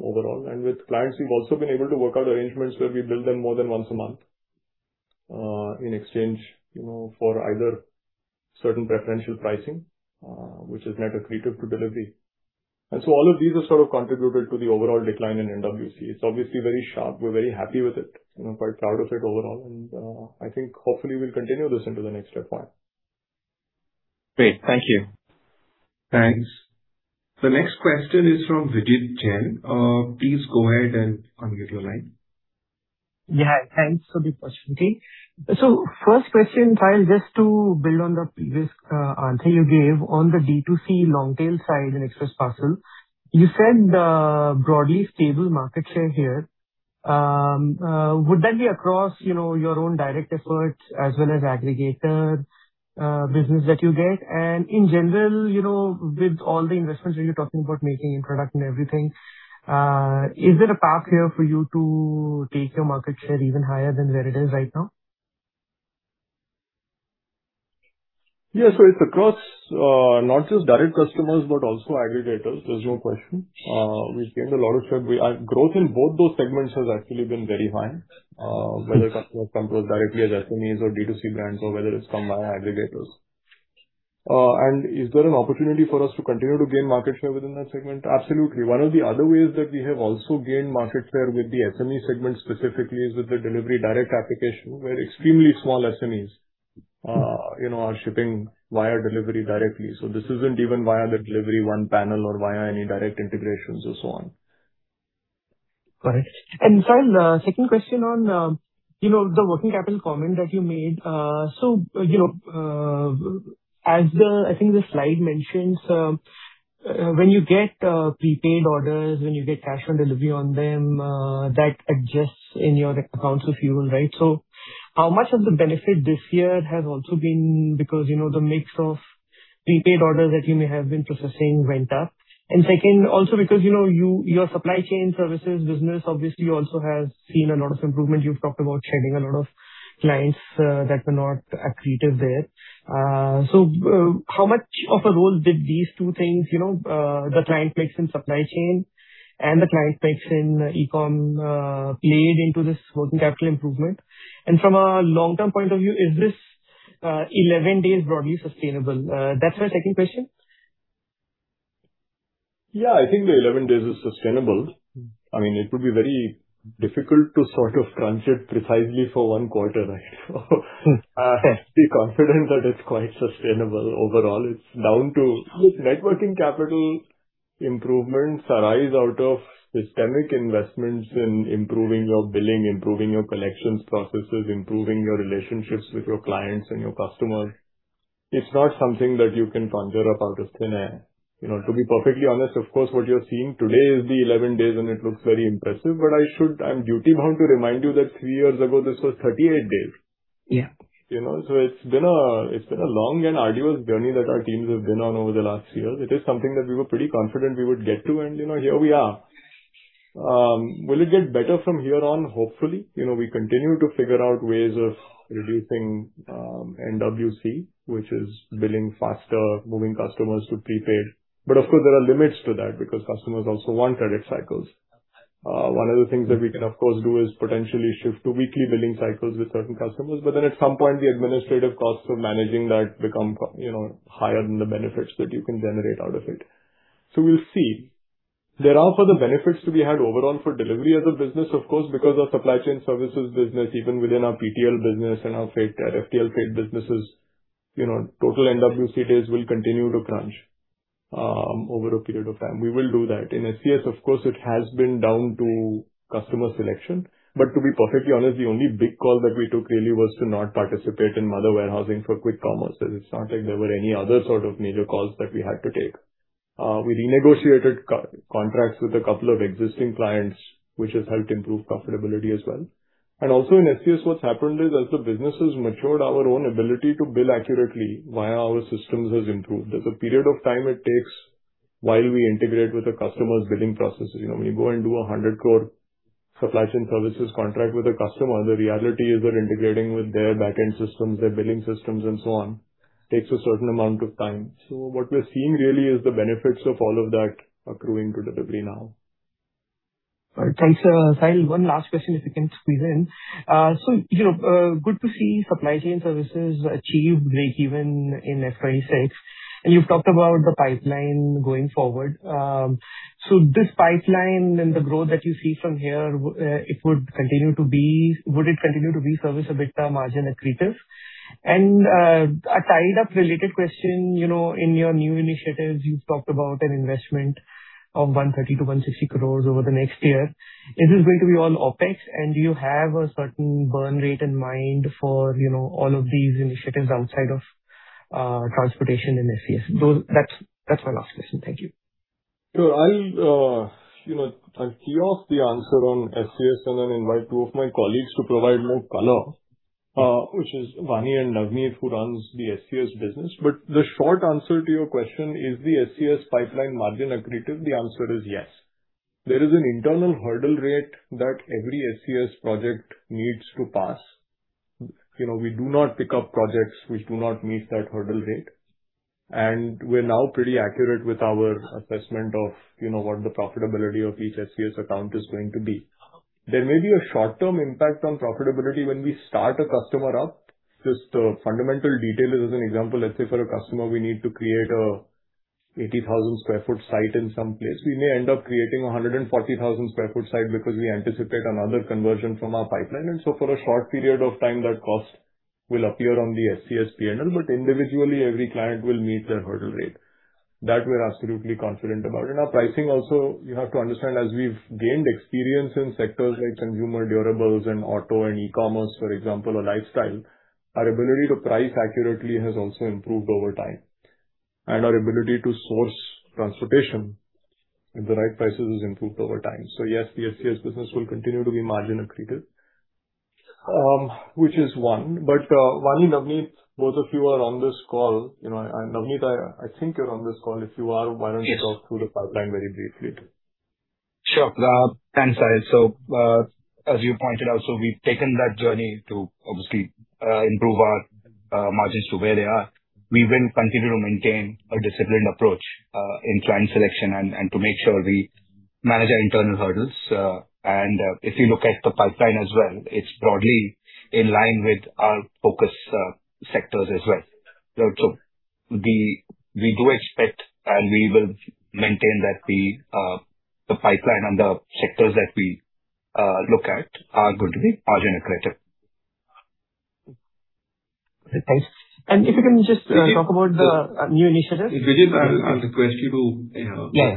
B: overall. With clients, we've also been able to work out arrangements where we bill them more than once a month, in exchange, you know, for either certain preferential pricing, which is net accretive to Delhivery. All of these have sort of contributed to the overall decline in NWC. It's obviously very sharp. We're very happy with it, you know, quite proud of it overall. I think hopefully we'll continue this into the next FY.
E: Great. Thank you.
A: Thanks. The next question is from Vijit Jain. Please go ahead and unmute your line.
F: Yeah, thanks for the opportunity. First question, Sahil, just to build on the previous answer you gave on the D2C long tail side in Express Parcel. You said, broadly stable market share here. Would that be across, you know, your own direct efforts as well as aggregator business that you get? In general, you know, with all the investments that you're talking about making in product and everything, is there a path here for you to take your market share even higher than where it is right now?
B: Yeah. It's across not just direct customers but also aggregators. There's no question. We've gained a lot of share. Growth in both those segments has actually been very high, whether customers come to us directly as SMEs or D2C brands or whether it's come via aggregators. Is there an opportunity for us to continue to gain market share within that segment? Absolutely. One of the other ways that we have also gained market share with the SME segment specifically is with the Delhivery Direct application, where extremely small SMEs, you know, are shipping via Delhivery directly. This isn't even via the Delhivery One panel or via any direct integrations or so on.
F: Got it. Sahil, second question on, you know, the working capital comment that you made. You know, as the, I think the slide mentions, when you get prepaid orders, when you get cash on delivery on them, that adjusts in your accounts receivable, right? How much of the benefit this year has also been because, you know, the mix of prepaid orders that you may have been processing went up. Second, also because, you know, your Supply Chain Services business obviously also has seen a lot of improvement. You've talked about shedding a lot of clients that were not accretive there. How much of a role did these two things, you know, the client mix in supply chain and the client mix in Ecom, played into this working capital improvement? From a long-term point of view, is this, 11 days broadly sustainable? That's my second question.
B: Yeah, I think the 11 days is sustainable. I mean, it would be very difficult to sort of crunch it precisely for one quarter, right? I have the confidence that it's quite sustainable overall. It's down to Net Working Capital improvements arise out of systemic investments in improving your billing, improving your collections processes, improving your relationships with your clients and your customers. It's not something that you can conjure up out of thin air. You know, to be perfectly honest, of course, what you're seeing today is the 11 days, and it looks very impressive, but I should, I'm duty-bound to remind you that three years ago, this was 38 days.
F: Yeah.
B: You know? It's been a long and arduous journey that our teams have been on over the last year. It is something that we were pretty confident we would get to and, you know, here we are. Will it get better from here on? Hopefully. You know, we continue to figure out ways of reducing NWC, which is billing faster, moving customers to prepaid. Of course, there are limits to that because customers also want credit cycles. One of the things that we can, of course, do is potentially shift to weekly billing cycles with certain customers, but then at some point, the administrative costs of managing that become, you know, higher than the benefits that you can generate out of it. We'll see. There are further benefits to be had overall for Delhivery as a business, of course, because our supply chain services business, even within our PTL business and our freight, our FTL freight businesses, you know, total NWC days will continue to crunch over a period of time. We will do that. In SCS, of course, it has been down to customer selection. To be perfectly honest, the only big call that we took really was to not participate in mother warehousing for quick commerce. It's not like there were any other sort of major calls that we had to take. We renegotiated core contracts with a couple of existing clients, which has helped improve profitability as well. Also in SCS, what's happened is as the business has matured, our own ability to bill accurately via our systems has improved. There's a period of time it takes while we integrate with the customer's billing processes. You know, when you go and do 100 crore supply chain services contract with a customer, the reality is we're integrating with their back-end systems, their billing systems, and so on, takes a certain amount of time. What we're seeing really is the benefits of all of that accruing to Delhivery now.
F: Thanks, Sahil. One last question, if you can squeeze in. You know, good to see Supply Chain Solutions achieve breakeven in FY 2026, and you've talked about the pipeline going forward. This pipeline and the growth that you see from here, would it continue to be service EBITDA margin accretive? A tied-up related question, you know, in your new initiatives, you've talked about an investment of 130 crore-160 crore over the next year. Is this going to be all OpEx? Do you have a certain burn rate in mind for, you know, all of these initiatives outside of transportation and SCS? That's my last question. Thank you.
B: Sure. I'll, you know, I'll tee off the answer on SCS and then invite two of my colleagues to provide more color, which is Vani and Navneet, who runs the SCS business. The short answer to your question, is the SCS pipeline margin accretive? The answer is yes. There is an internal hurdle rate that every SCS project needs to pass. You know, we do not pick up projects which do not meet that hurdle rate. We're now pretty accurate with our assessment of, you know, what the profitability of each SCS account is going to be. There may be a short-term impact on profitability when we start a customer up. Just a fundamental detail is, as an example, let's say for a customer, we need to create a 80,000 square foot site in some place. We may end up creating a 140,000 sq ft site because we anticipate another conversion from our pipeline. For a short period of time, that cost will appear on the SCS P&L, individually, every client will meet their hurdle rate. That we're absolutely confident about. Our pricing also, you have to understand, as we've gained experience in sectors like consumer durables and auto and e-commerce, for example, or lifestyle, our ability to price accurately has also improved over time, our ability to source transportation at the right prices has improved over time. Yes, the SCS business will continue to be margin accretive. Which is one. Vani, Navneet, both of you are on this call. You know, Navneet, I think you're on this call. If you are, why don't you talk through the pipeline very briefly, too?
G: Sure. Thanks, Sahil. As you pointed out, so we've taken that journey to obviously improve our margins to where they are. We will continue to maintain a disciplined approach in client selection and to make sure we manage our internal hurdles. If you look at the pipeline as well, it's broadly in line with our focus sectors as well. We do expect, and we will maintain that the pipeline and the sectors that we look at are going to be margin accretive.
F: Okay, thanks. If you can just talk about the new initiatives?
B: If Vijit, I will ask a question to.
F: Yeah.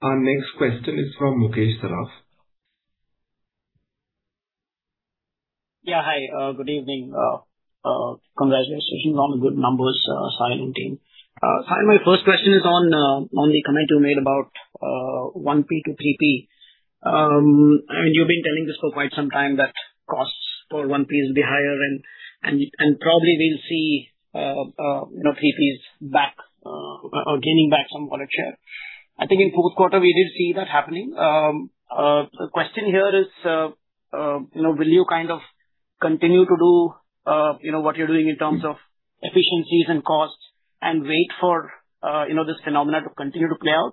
A: Our next question is from Mukesh Saraf.
H: Yeah, hi. Good evening. Congratulations on the good numbers, Sahil and team. Sahil, my first question is on the comment you made about 1P-3P. You've been telling this for quite some time, that costs for 1P is a bit higher and probably we'll see, you know, 3Ps back or gaining back some market share. I think in fourth quarter we did see that happening. The question here is, you know, will you kind of continue to do, you know, what you're doing in terms of efficiencies and costs and wait for, you know, this phenomena to continue to play out?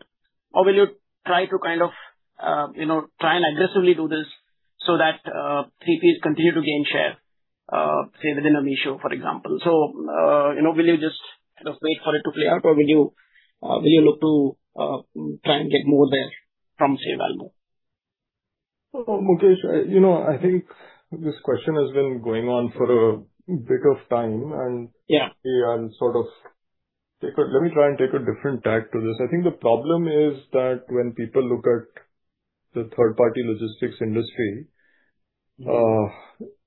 H: Will you try to kind of, you know, try and aggressively do this so that 3Ps continue to gain share, say, within a Meesho, for example. You know, will you just kind of wait for it to play out or will you look to try and get more there from, say, Valmo?
B: Mukesh, you know, I think this question has been going on for a bit of time.
H: Yeah.
B: Let me try and take a different tack to this. I think the problem is that when people look at the third-party logistics industry,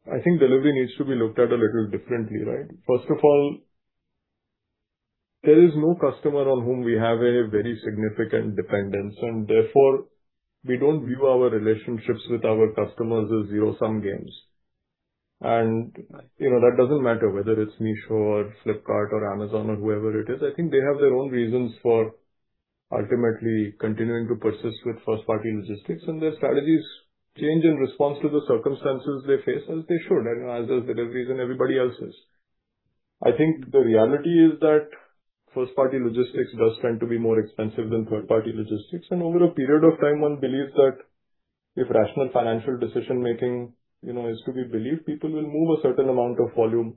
B: I think Delhivery needs to be looked at a little differently, right? First of all, there is no customer on whom we have a very significant dependence, and therefore we don't view our relationships with our customers as zero-sum games. You know, that doesn't matter whether it's Meesho or Flipkart or Amazon or whoever it is. I think they have their own reasons for ultimately continuing to persist with first-party logistics, and their strategies change in response to the circumstances they face, as they should, and as does Delhivery and everybody else's. I think the reality is that first-party logistics does tend to be more expensive than third-party logistics. Over a period of time, one believes that if rational financial decision-making, you know, is to be believed, people will move a certain amount of volume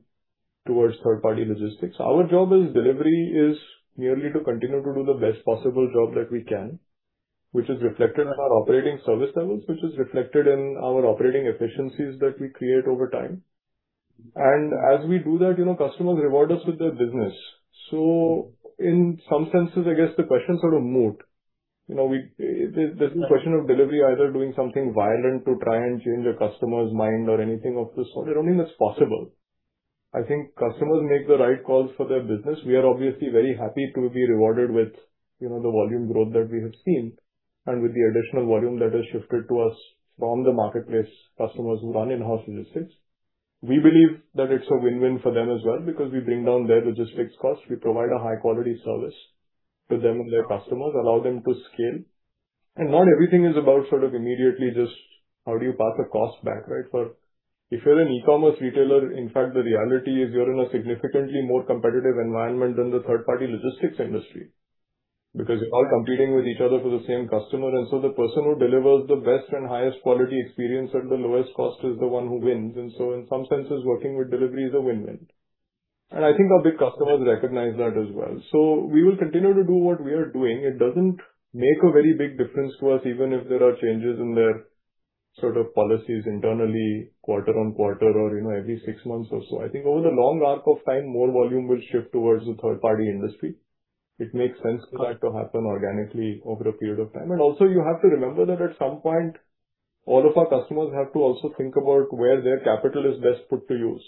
B: towards third-party logistics. Our job as Delhivery is merely to continue to do the best possible job that we can, which is reflected in our operating service levels, which is reflected in our operating efficiencies that we create over time. As we do that, you know, customers reward us with their business. In some senses, I guess the question's sort of moot. You know, we, there's no question of Delhivery either doing something violent to try and change a customer's mind or anything of the sort. I don't think that's possible. I think customers make the right calls for their business. We are obviously very happy to be rewarded with, you know, the volume growth that we have seen and with the additional volume that has shifted to us from the marketplace customers who run in-house logistics. We believe that it's a win-win for them as well because we bring down their logistics costs. We provide a high-quality service to them and their customers, allow them to scale. Not everything is about sort of immediately just how do you pass a cost back, right? If you're an e-commerce retailer, in fact, the reality is you're in a significantly more competitive environment than the third-party logistics industry, because you're all competing with each other for the same customer, the person who delivers the best and highest quality experience at the lowest cost is the one who wins. In some senses, working with Delhivery is a win-win. I think our big customers recognize that as well. We will continue to do what we are doing. It doesn't make a very big difference to us, even if there are changes in their sort of policies internally quarter on quarter or, you know, every six months or so. I think over the long arc of time, more volume will shift towards the third-party industry. It makes sense for that to happen organically over a period of time. Also, you have to remember that at some point, all of our customers have to also think about where their capital is best put to use.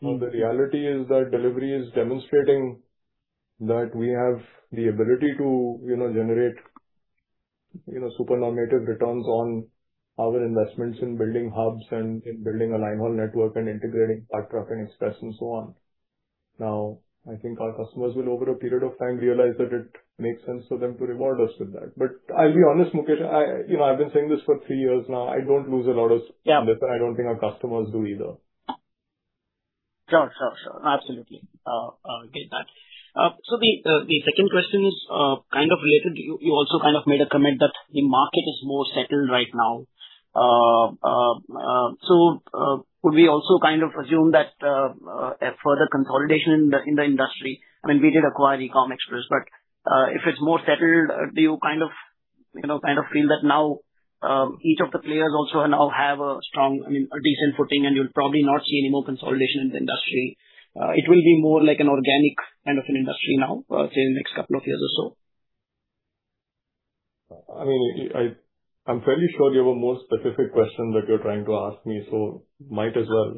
B: The reality is that Delhivery is demonstrating that we have the ability to, you know, generate, you know, supernormative returns on our investments in building hubs and in building a line haul network and integrating Part Truckload Express and so on. I think our customers will, over a period of time, realize that it makes sense for them to reward us with that. I'll be honest, Mukesh, you know, I've been saying this for three years now.
H: Yeah.
B: sleep on this, and I don't think our customers do either.
H: Sure, sure. Absolutely. Get that. The second question is kind of related. You also kind of made a comment that the market is more settled right now. Could we also kind of assume that a further consolidation in the industry? I mean, we did acquire Ecom Express, but if it's more settled, do you kind of, you know, kind of feel that now each of the players also now have a strong, I mean, a decent footing and you'll probably not see any more consolidation in the industry? It will be more like an organic kind of an industry now, say, in the next couple of years or so.
B: I mean, I'm fairly sure you have a more specific question that you're trying to ask me. Might as well.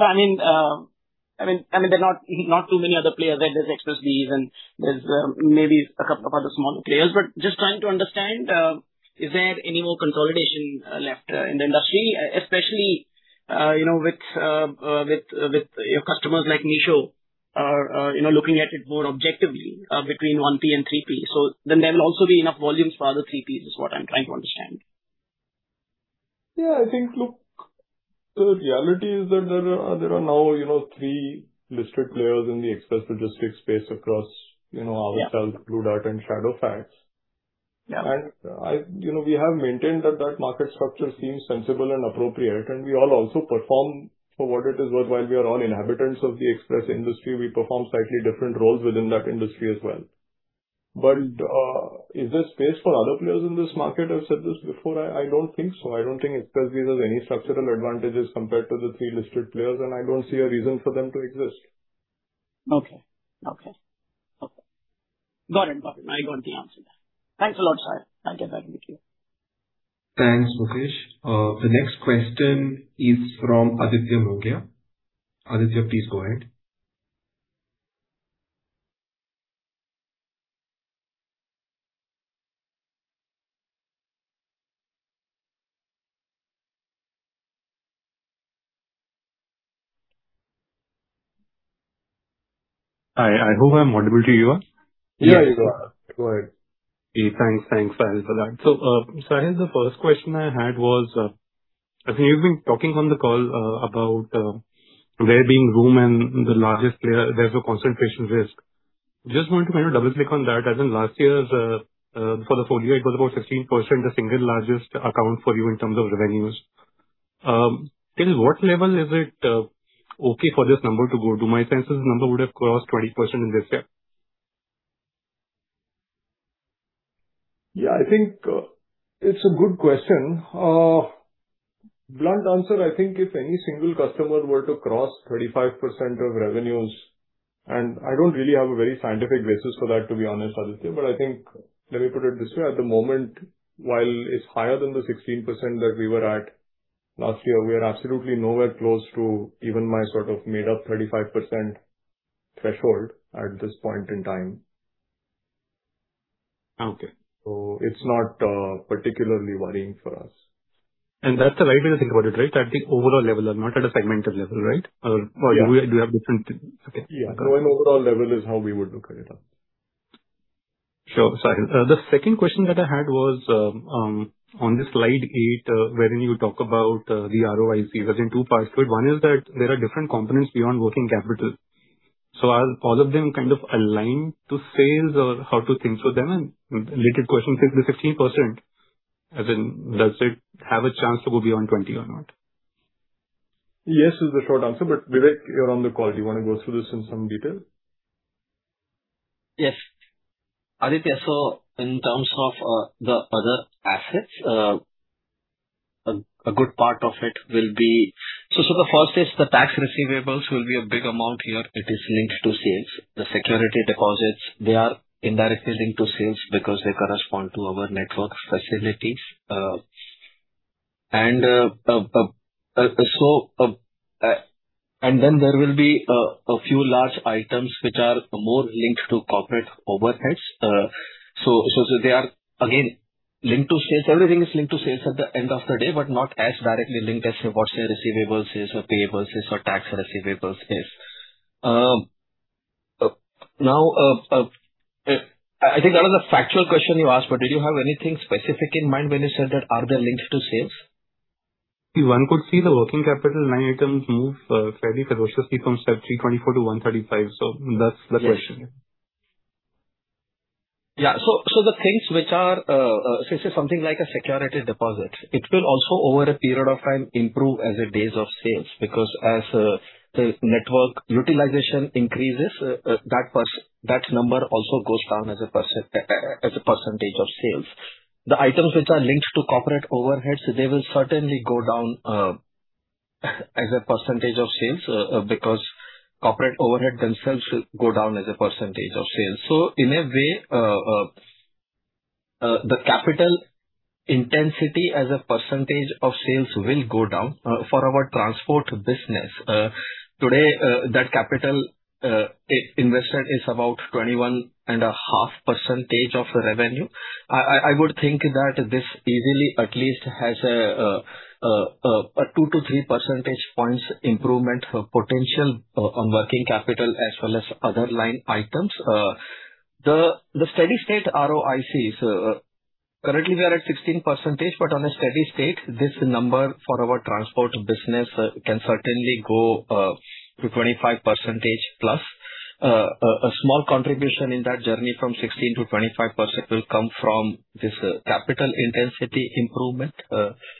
H: I mean, there are not too many other players. There's Xpressbees and there's maybe a couple of smaller players. Just trying to understand, is there any more consolidation left in the industry, especially, you know, with your customers like Meesho are, you know, looking at it more objectively between 1P and 3P. Then there will also be enough volumes for other 3Ps is what I'm trying to understand.
B: Yeah, I think, look, the reality is that there are now, you know, three listed players in the express logistics space across, you know, ourselves-
H: Yeah.
B: Blue Dart and Shadowfax.
H: Yeah.
B: You know, we have maintained that that market structure seems sensible and appropriate, and we all also perform. For what it is worth, while we are all inhabitants of the express industry, we perform slightly different roles within that industry as well. Is there space for other players in this market? I've said this before, I don't think so. I don't think Xpressbees has any structural advantages compared to the three listed players, and I don't see a reason for them to exist.
H: Okay. Got it. I got the answer there. Thanks a lot, Sahil. Talk again with you.
A: Thanks, Mukesh. The next question is from Aditya Mongia. Aditya, please go ahead.
I: Hi, I hope I'm audible to you all.
B: Yeah, you are. Go ahead.
I: Okay. Thanks. Thanks, Sahil, for that. Sahil, the first question I had was, I think you've been talking on the call, about, there being room and the largest player, there's a concentration risk. Just want to kind of double-click on that. As in last year's, for the full year it was about 16% the single largest account for you in terms of revenues. Till what level is it, okay for this number to go to? My sense is this number would have crossed 20% in this year.
B: Yeah, I think, it's a good question. blunt answer, I think if any single customer were to cross 35% of revenues, and I don't really have a very scientific basis for that, to be honest, Aditya. I think, let me put it this way, at the moment, while it's higher than the 16% that we were at last year, we are absolutely nowhere close to even my sort of made-up 35% threshold at this point in time.
I: Okay.
B: It's not, particularly worrying for us.
I: That's the right way to think about it, right? At the overall level and not at a segmental level, right?
B: Yeah.
I: Do we have different? Okay, got it.
B: Yeah. An overall level is how we would look at it.
I: Sure. The second question that I had was on the slide eight, wherein you talk about the ROICs as in two parts. One is that there are different components beyond working capital. Are all of them kind of aligned to sales or how to think through them? Related question, since the 16%, as in, does it have a chance to go beyond 20% or not?
B: Yes, is the short answer. Vivek, you're on the call, do you wanna go through this in some detail?
J: Yes. Aditya, in terms of the other assets, a good part of it will be. The first is the tax receivables will be a big amount here. It is linked to sales. The security deposits, they are indirectly linked to sales because they correspond to our network facilities. Then there will be a few large items which are more linked to corporate overheads. They are again linked to sales. Everything is linked to sales at the end of the day, but not as directly linked as, say, what say receivables is or payables is or tax receivables is. Now, I think that was a factual question you asked, did you have anything specific in mind when you said that, are they linked to sales?
I: One could see the working capital line items move fairly ferociously from 34-135. That's the question.
J: Yes. Yeah. The things which are something like a security deposit, it will also over a period of time improve as a days of sales because as the network utilization increases, that number also goes down as a percentage of sales. The items which are linked to corporate overheads, they will certainly go down as a % of sales because corporate overhead themselves go down as a % of sales. In a way, the capital intensity as a % of sales will go down. For our transport business, today, that capital invested is about 21.5% of revenue. I would think that this easily at least has a 2 to 3 percentage points improvement potential on working capital as well as other line items. The steady-state ROICs, currently we are at 16%, but on a steady state, this number for our transport business can certainly go to 25% plus. A small contribution in that journey from 16% to 25% will come from this capital intensity improvement,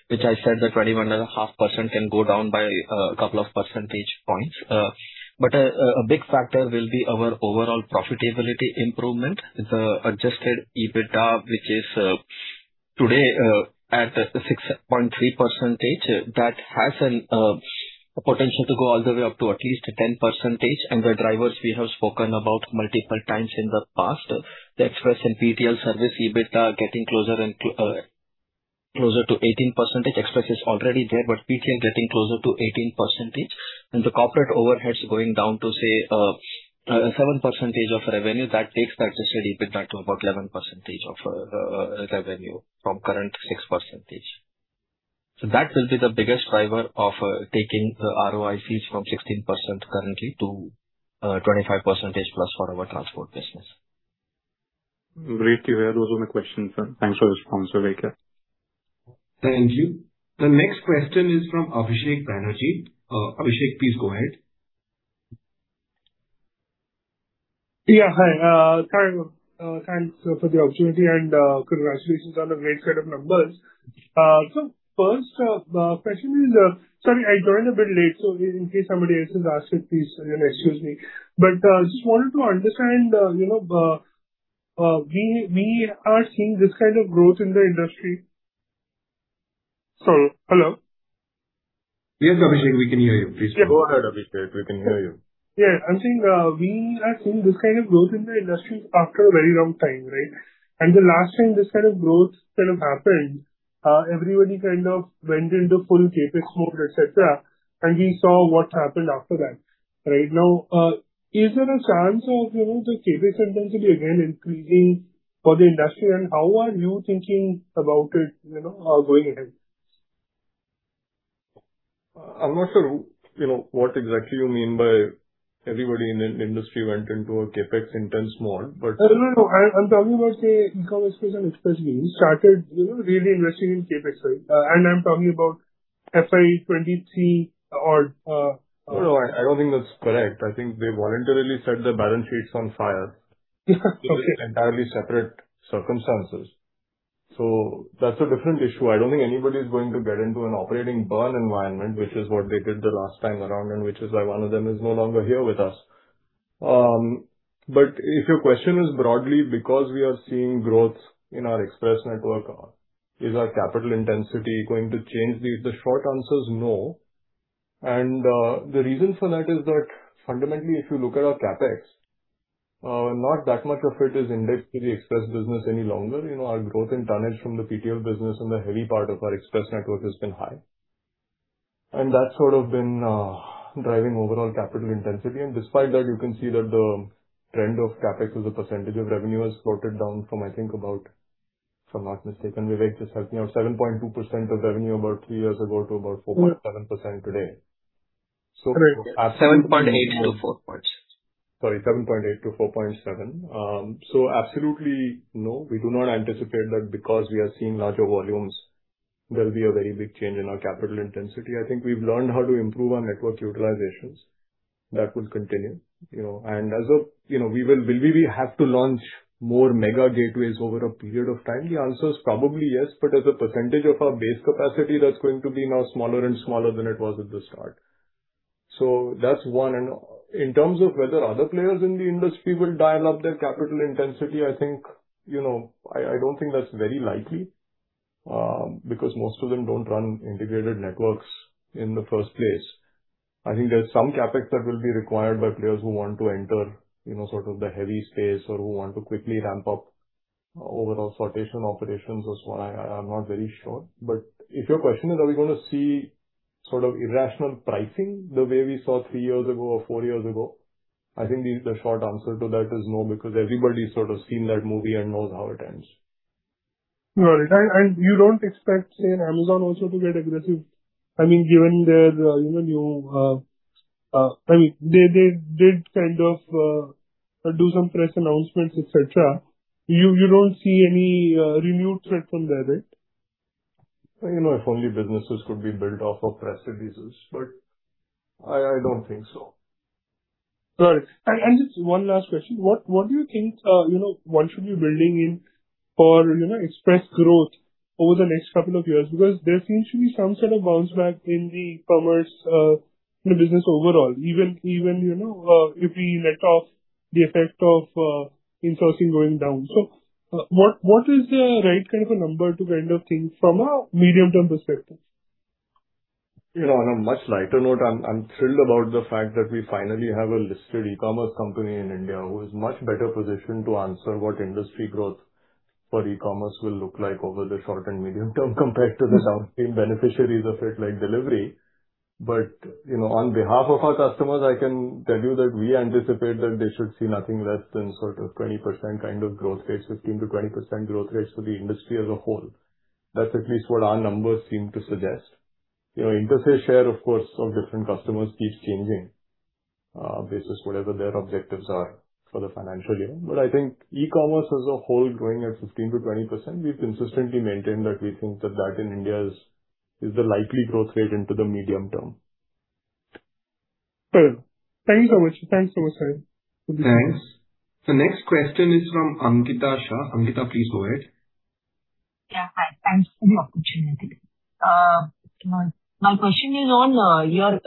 J: which I said the 21 and a half percent can go down by 2 percentage points. A big factor will be our overall profitability improvement. The adjusted EBITDA, which is today at 6.3%, that has a potential to go all the way up to at least 10%. The drivers we have spoken about multiple times in the past. The Express and PTL service EBITDA getting closer and closer to 18%. Express is already there, but PTL is getting closer to 18%. The corporate overheads going down to say, 7% of revenue, that takes that adjusted EBITDA to about 11% of revenue from current 6%. That will be the biggest driver of taking ROICs from 16% currently to 25% plus for our transport business.
I: Great to hear. Those were my questions. Thanks for the response, Vivek.
A: Thank you. The next question is from Abhishek Banerjee. Abhishek, please go ahead.
K: Yeah, hi. Hi, thanks for the opportunity and congratulations on the great set of numbers. First question is, Sorry, I joined a bit late, so in case somebody else has asked it, please excuse me. Just wanted to understand, you know, we are seeing this kind of growth in the industry. Hello?
A: Yes, Abhishek, we can hear you. Please go on.
B: Yeah, go ahead, Abhishek. We can hear you.
K: Yeah. I'm saying, we are seeing this kind of growth in the industry after a very long time, right? The last time this kind of growth kind of happened, everybody kind of went into full CapEx mode, et cetera, and we saw what happened after that. Right now, is there a chance of, you know, the CapEx intensity again increasing for the industry, and how are you thinking about it, you know, going ahead?
B: I'm not sure, you know, what exactly you mean by everybody in an industry went into a CapEx intense mode.
K: No, no. I'm talking about, say, e-commerce players and Express Parcel started, you know, really investing in CapEx, right? I'm talking about FY 2023 or.
B: No, no, I don't think that's correct. I think they voluntarily set their balance sheets on fire.
K: Okay.
B: These are entirely separate circumstances. That's a different issue. I don't think anybody's going to get into an operating burn environment, which is what they did the last time around, and which is why one of them is no longer here with us. If your question is broadly because we are seeing growth in our Express network, is our capital intensity going to change? The short answer is no. The reason for that is that fundamentally, if you look at our CapEx, not that much of it is indexed to the Express business any longer. You know, our growth in tonnage from the PTL business and the heavy part of our Express network has been high. That's sort of been driving overall capital intensity. Despite that, you can see that the trend of CapEx as a percentage of revenue has floated down from, I think, about, if I'm not mistaken, Vivek, just help me out, 7.2% of revenue about three years ago to about 4.7% today.
J: Correct. 7.8 to 4 point.
B: Sorry, 7.8 to 4.7. Absolutely, no, we do not anticipate that because we are seeing larger volumes, there'll be a very big change in our capital intensity. I think we've learned how to improve our network utilizations. That will continue. You know, will we have to launch more mega gateways over a period of time? The answer is probably yes. As a percentage of our base capacity, that's going to be now smaller and smaller than it was at the start. That's one. In terms of whether other players in the industry will dial up their capital intensity, I think, you know, I don't think that's very likely because most of them don't run integrated networks in the first place. I think there's some CapEx that will be required by players who want to enter, you know, sort of the heavy space or who want to quickly ramp up overall sortation operations and so on. I'm not very sure. If your question is, are we gonna see sort of irrational pricing the way we saw three years ago or four years ago, I think the short answer to that is no, because everybody's sort of seen that movie and knows how it ends.
K: All right. You don't expect, say, an Amazon also to get aggressive? I mean, given their, you know, new, I mean, they did kind of, do some press announcements, et cetera. You don't see any renewed threat from there, right?
B: You know, if only businesses could be built off of press releases, but I don't think so.
K: Got it. Just one last question. What do you think, you know, one should be building in for, you know, express growth over the next couple of years? Because there seems to be some sort of bounce back in the commerce, in the business overall, even, you know, if we let off the effect of insourcing going down. What is the right kind of a number to kind of think from a medium-term perspective?
B: You know, on a much lighter note, I'm thrilled about the fact that we finally have a listed e-commerce company in India who is much better positioned to answer what industry growth for e-commerce will look like over the short and medium term compared to the downstream beneficiaries of it, like Delhivery. You know, on behalf of our customers, I can tell you that we anticipate that they should see nothing less than sort of 20% kind of growth rates, 15%-20% growth rates for the industry as a whole. That's at least what our numbers seem to suggest. You know, interstate share, of course, of different customers keeps changing, based on whatever their objectives are for the financial year. I think e-commerce as a whole growing at 15%-20%, we've consistently maintained that we think that that in India is the likely growth rate into the medium term.
K: Fair enough. Thanks so much. Thanks so much, Sir.
B: Thanks.
A: The next question is from Ankita Shah. Ankita, please go ahead.
L: Yeah. Thanks for the opportunity. My question is on your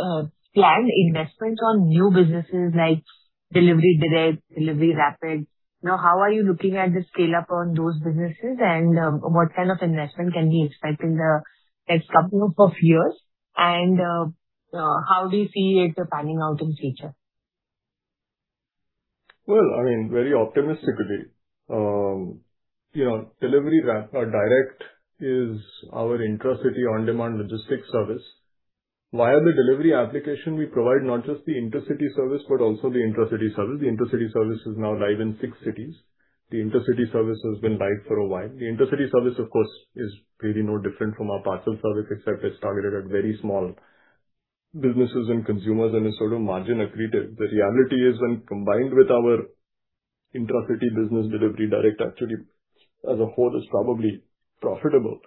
L: planned investment on new businesses like Delhivery Direct, Delhivery Rapid. How are you looking at the scale-up on those businesses, and what kind of investment can we expect in the next couple of years? How do you see it panning out in future?
B: Well, I mean, very optimistically, you know, Delhivery Direct is our intracity on-demand logistics service. Via the Delhivery application, we provide not just the intercity service, but also the intracity service. The intracity service is now live in 6six cities. The intercity service has been live for a while. The intracity service, of course, is really no different from our parcel service, except it's targeted at very small businesses and consumers, and is sort of margin accretive. The reality is, when combined with our intracity business Delhivery Direct, actually as a whole is probably profitable,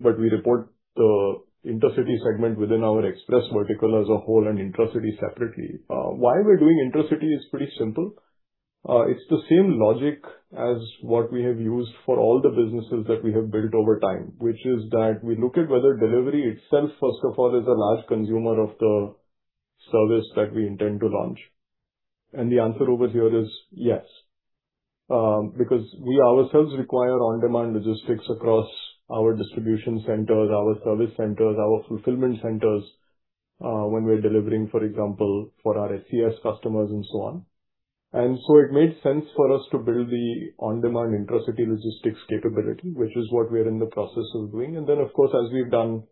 B: but we report the intracity segment within our Express vertical as a whole and intracity separately. Why we're doing intracity is pretty simple. It's the same logic as what we have used for all the businesses that we have built over time, which is that we look at whether Delhivery itself, first of all, is a large consumer of the service that we intend to launch. The answer over here is yes. Because we ourselves require on-demand logistics across our distribution centers, our service centers, our fulfillment centers, when we're delivering, for example, for our SCS customers and so on. It made sense for us to build the on-demand intracity logistics capability, which is what we're in the process of doing. Of course, as we've done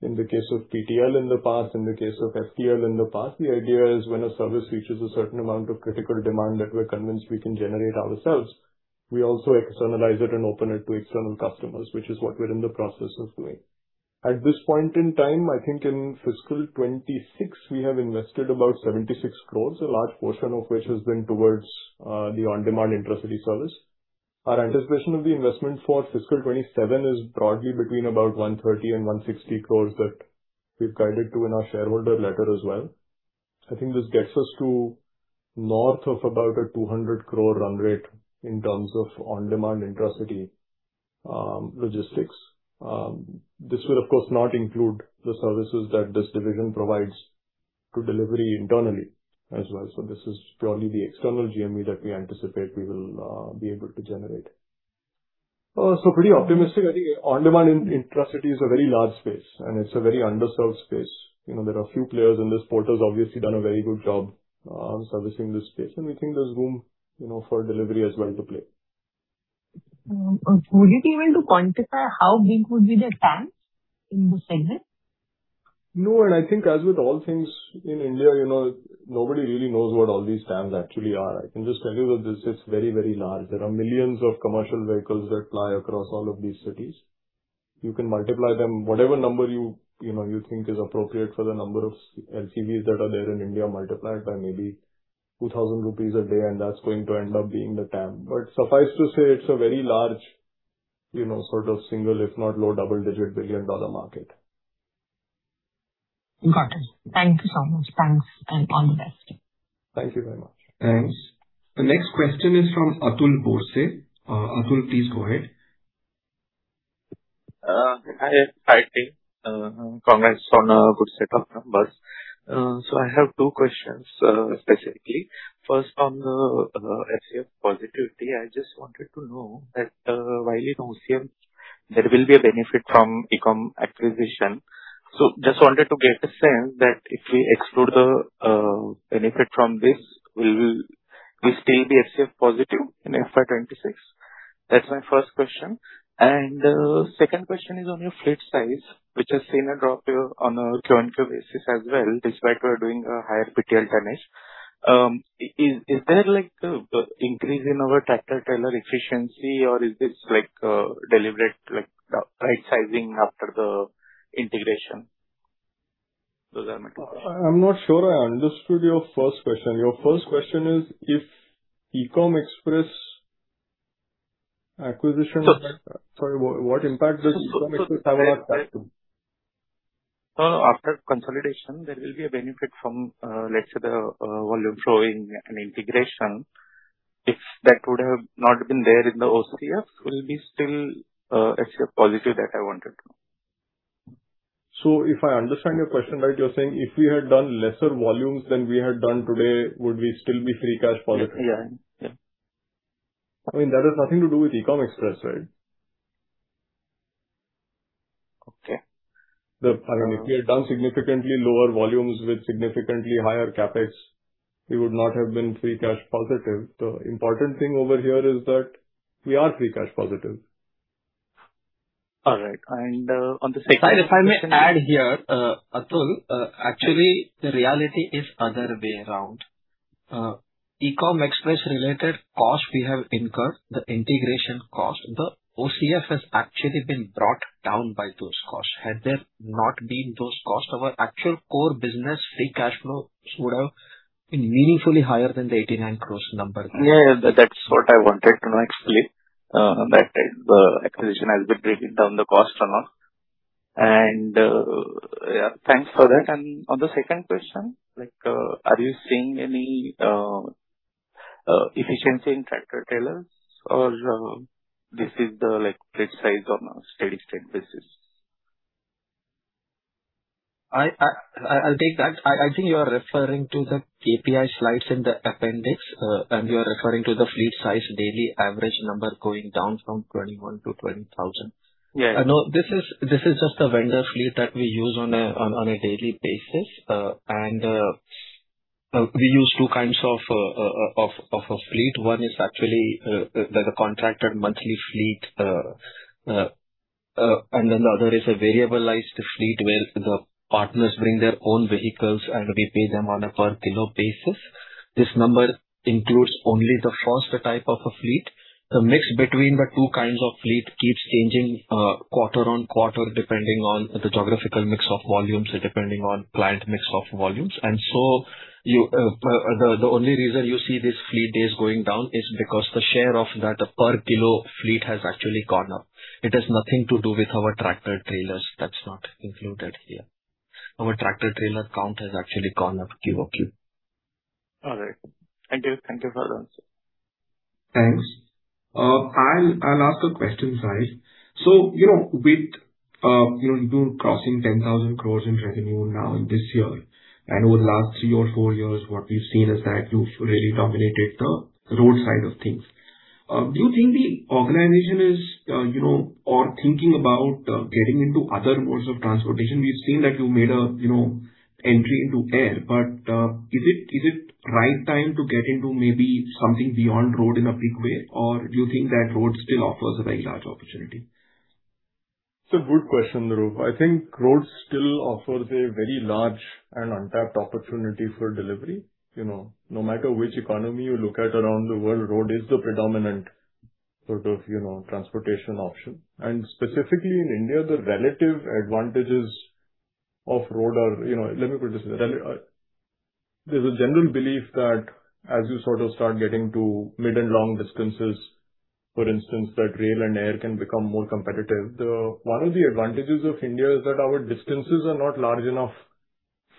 B: in the case of PTL in the past, in the case of FTL in the past, the idea is when a service reaches a certain amount of critical demand that we're convinced we can generate ourselves. We also externalize it and open it to external customers, which is what we're in the process of doing. At this point in time, I think in fiscal 2026 we have invested about 76 crores, a large portion of which has been towards the on-demand intracity service. Our anticipation of the investment for fiscal 2027 is broadly between about 130 and 160 crores that we've guided to in our shareholder letter as well. I think this gets us to north of about a 200 crore run rate in terms of on-demand intracity logistics. This will of course not include the services that this division provides to Delhivery internally as well. This is purely the external GMV that we anticipate we will be able to generate. Pretty optimistic. I think on-demand intracity is a very large space and it's a very underserved space. You know, there are a few players in this. Porter has obviously done a very good job servicing this space, and we think there's room, you know, for Delhivery as well to play.
L: Would it be able to quantify how big would be the TAM in this segment?
B: I think as with all things in India, you know, nobody really knows what all these TAMs actually are. I can just tell you that this is very, very large. There are millions of commercial vehicles that ply across all of these cities. You can multiply them. Whatever number you know, you think is appropriate for the number of LCVs that are there in India, multiply it by maybe 2,000 rupees a day, that's going to end up being the TAM. Suffice to say it's a very large, you know, sort of single if not low double-digit billion-dollar market.
L: Got it. Thank you so much. Thanks, and all the best.
B: Thank you very much.
A: Thanks. The next question is from Atul Borse. Atul, please go ahead.
M: Hi. Hi, team. Congrats on a good set of numbers. I have two questions specifically. First, on the FCF positivity. I just wanted to know that while in OCF there will be a benefit from Ecom acquisition. Just wanted to get a sense that if we exclude the benefit from this, will we still be FCF positive in FY 2026? That's my first question. 2nd question is on your fleet size, which has seen a drop year on a Q-on-Q basis as well, despite you are doing a higher PTL tonnage. Is there like a increase in our tractor-trailer efficiency or is this like deliberate right sizing after the integration? Those are my two questions.
B: I'm not sure I understood your first question. Your first question is if Ecom Express acquisition-
M: Sorry.
B: Sorry, what impact does Ecom Express have on our cash flow?
M: No, no. After consolidation, there will be a benefit from, let's say the, volume flowing and integration. If that would have not been there in the OCF, will it be still, FCF positive? That I wanted to know.
B: If I understand your question right, you're saying if we had done lesser volumes than we had done today, would we still be free cash positive?
M: Yeah. Yeah.
B: I mean, that has nothing to do with Ecom Express, right?
M: Okay.
B: I mean, if we had done significantly lower volumes with significantly higher CapEx, we would not have been free cash positive. The important thing over here is that we are free cash positive.
M: All right. On the second question.
J: If I may add here, Atul, actually the reality is other way around. Ecom Express related cost we have incurred, the integration cost, the OCF has actually been brought down by those costs. Had there not been those costs, our actual core business free cash flows would have been meaningfully higher than the 89 crores number.
M: Yeah, that's what I wanted to know actually, that the acquisition has been bringing down the cost or not. Yeah, thanks for that. On the second question, like, are you seeing any efficiency in tractor-trailers or this is the like fleet size on a steady-state basis?
J: I'll take that. I think you are referring to the KPI slides in the appendix. You are referring to the fleet size daily average number going down from 21 to 20,000.
M: Yeah.
J: No, this is just the vendor fleet that we use on a daily basis. And we use two kinds of a fleet. One is actually the contracted monthly fleet. And then the other is a variable-ized fleet where the partners bring their own vehicles and we pay them on a per kilo basis. This number includes only the first type of a fleet. The mix between the two kinds of fleet keeps changing quarter on quarter, depending on the geographical mix of volumes, depending on client mix of volumes. You, the only reason you see these fleet days going down is because the share of that per kilo fleet has actually gone up. It has nothing to do with our tractor-trailers. That's not included here. Our tractor-trailer count has actually gone up Q-over-Q.
M: All right. Thank you. Thank you for the answer.
A: Thanks. I'll ask a question, Sahil. You know, with, you know, you crossing 10,000 crore in revenue now in this year and over the last three or four years, what we've seen is that you've really dominated the road side of things. Do you think the organization is, you know, or thinking about, getting into other modes of transportation? We've seen that you made a, you know, entry into air. Is it, is it right time to get into maybe something beyond road in a big way? Do you think that road still offers a very large opportunity?
B: It's a good question, Dhruv. I think road still offers a very large and untapped opportunity for delivery. You know, no matter which economy you look at around the world, road is the predominant sort of, you know, transportation option. Specifically in India, the relative advantages of road are, Let me put this way. There's a general belief that as you sort of start getting to mid and long distances, for instance, that rail and air can become more competitive. One of the advantages of India is that our distances are not large enough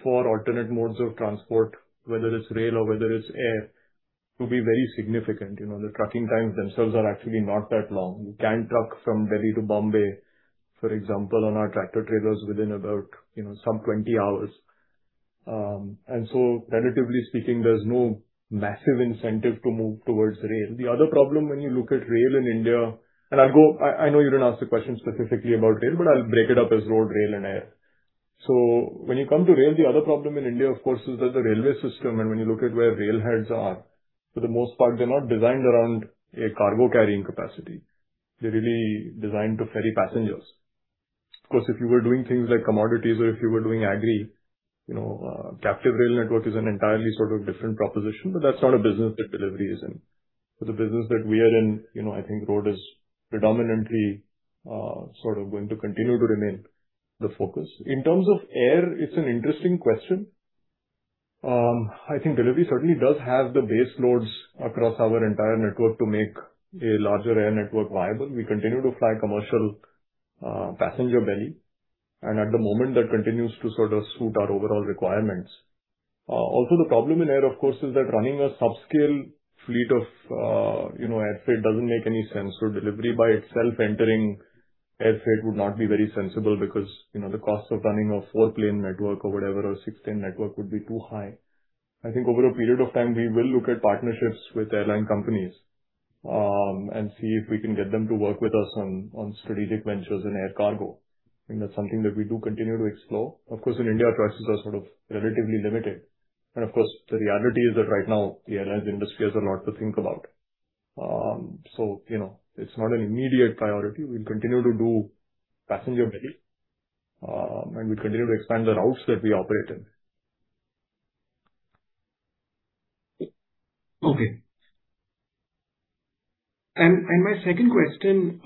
B: for alternate modes of transport, whether it's rail or whether it's air, to be very significant. You know, the trucking times themselves are actually not that long. You can truck from Delhi to Bombay, for example, on our tractor trailers within about, you know, some 20 hours. Relatively speaking, there's no massive incentive to move towards rail. The other problem when you look at rail in India, I know you didn't ask the question specifically about rail, but I'll break it up as road, rail and air. When you come to rail, the other problem in India, of course, is that the railway system, and when you look at where rail heads are, for the most part, they're not designed around a cargo carrying capacity. They're really designed to ferry passengers. Of course, if you were doing things like commodities or if you were doing agri, you know, captive rail network is an entirely sort of different proposition, but that's not a business that Delhivery is in. For the business that we are in, you know, I think road is predominantly sort of going to continue to remain the focus. In terms of air, it's an interesting question. I think Delhivery certainly does have the base loads across our entire network to make a larger air network viable. We continue to fly commercial passenger belly, at the moment that continues to sort of suit our overall requirements. Also the problem in air, of course, is that running a subscale fleet of, you know, air freight doesn't make any sense for Delhivery by itself. Entering air freight would not be very sensible because, you know, the cost of running a 4-plane network or whatever, or 6-plane network would be too high. I think over a period of time we will look at partnerships with airline companies, see if we can get them to work with us on strategic ventures in air cargo, that's something that we do continue to explore. In India, choices are sort of relatively limited. The reality is that right now the airlines industry has a lot to think about. You know, it's not an immediate priority. We'll continue to do passenger belly, we continue to expand the routes that we operate in.
A: Okay. My second question,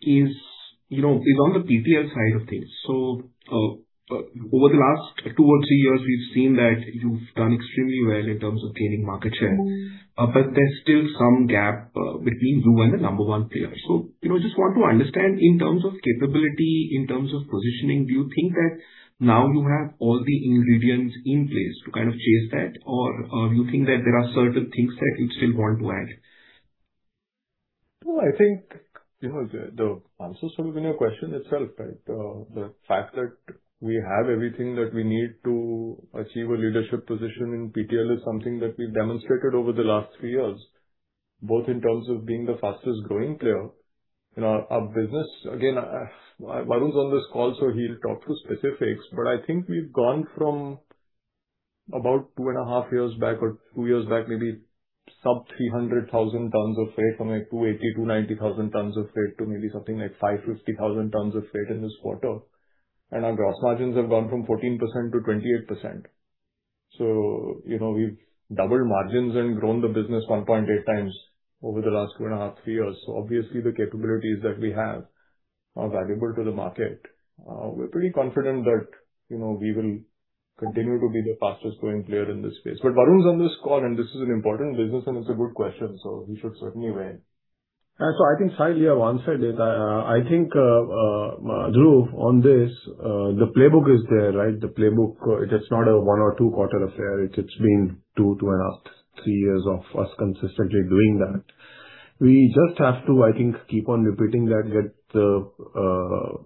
A: you know, is on the PTL side of things. Over the last two or three years, we've seen that you've done extremely well in terms of gaining market share, but there's still some gap between you and the number one player. You know, just want to understand in terms of capability, in terms of positioning, do you think that now you have all the ingredients in place to kind of chase that? Or, you think that there are certain things that you'd still want to add?
B: No, I think, you know, the answer is sort of in your question itself, right? The fact that we have everything that we need to achieve a leadership position in PTL is something that we've demonstrated over the last three years, both in terms of being the fastest growing player. You know, our business, Varun's on this call, he'll talk to specifics, but I think we've gone from about 2.5 years back or two years back, maybe sub 300,000 tons of freight from 280,000-290,000 tons of freight to maybe something like 550,000 tons of freight in this quarter. Our gross margins have gone from 14% to 28%. You know, we've doubled margins and grown the business 1.8x over the last 2.5, three years. Obviously the capabilities that we have are valuable to the market. We're pretty confident that, you know, we will continue to be the fastest growing player in this space. Varun's on this call, and this is an important business and it's a good question, so he should certainly weigh in.
N: Yeah. I think, Sahil, you have answered it. I think Dhruv on this, the playbook is there, right? The playbook, it is not a one or two quarter affair. It's been two and a half, three years of us consistently doing that. We just have to, I think, keep on repeating that, get the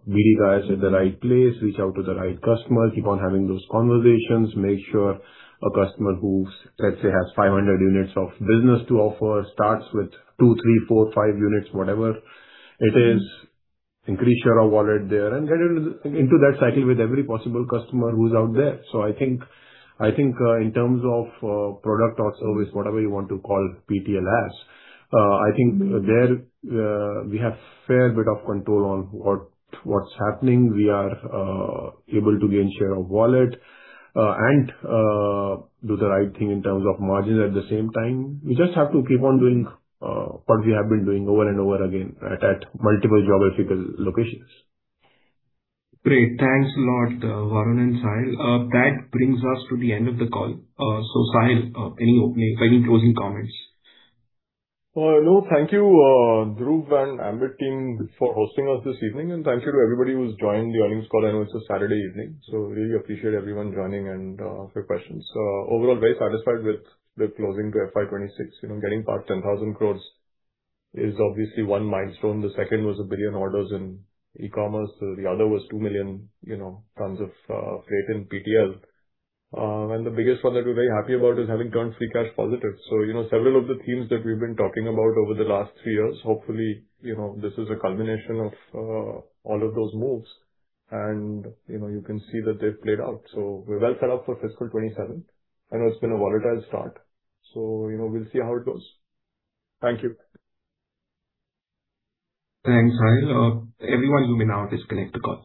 N: BD guys in the right place, reach out to the right customer, keep on having those conversations, make sure a customer who, let's say, has 500 units of business to offer starts with two, three, four, five units, whatever it is, increase share of wallet there, and get into that cycle with every possible customer who's out there. I think, in terms of product or service, whatever you want to call PTL as, I think there, we have fair bit of control on what's happening. We are able to gain share of wallet and do the right thing in terms of margins at the same time. We just have to keep on doing what we have been doing over and over again at multiple geographical locations.
A: Great. Thanks a lot, Varun and Sahil. That brings us to the end of the call. Sahil, any closing comments?
B: Thank you, Dhruv and Ambit team for hosting us this evening, thank you to everybody who's joined the earnings call. I know it's a Saturday evening, really appreciate everyone joining for your questions. Overall, very satisfied with the closing to FY 2026. You know, getting past 10,000 crore is obviously one milestone. The second was 1 billion orders in e-commerce. The other was 2 million, you know, tons of freight in PTL. The biggest one that we're very happy about is having turned free cash positive. You know, several of the themes that we've been talking about over the last three years, hopefully, you know, this is a culmination of all of those moves and, you know, you can see that they've played out. We're well set up for fiscal 2027. I know it's been a volatile start, you know, we'll see how it goes. Thank you.
A: Thanks, Sahil. Everyone, you may now disconnect the call.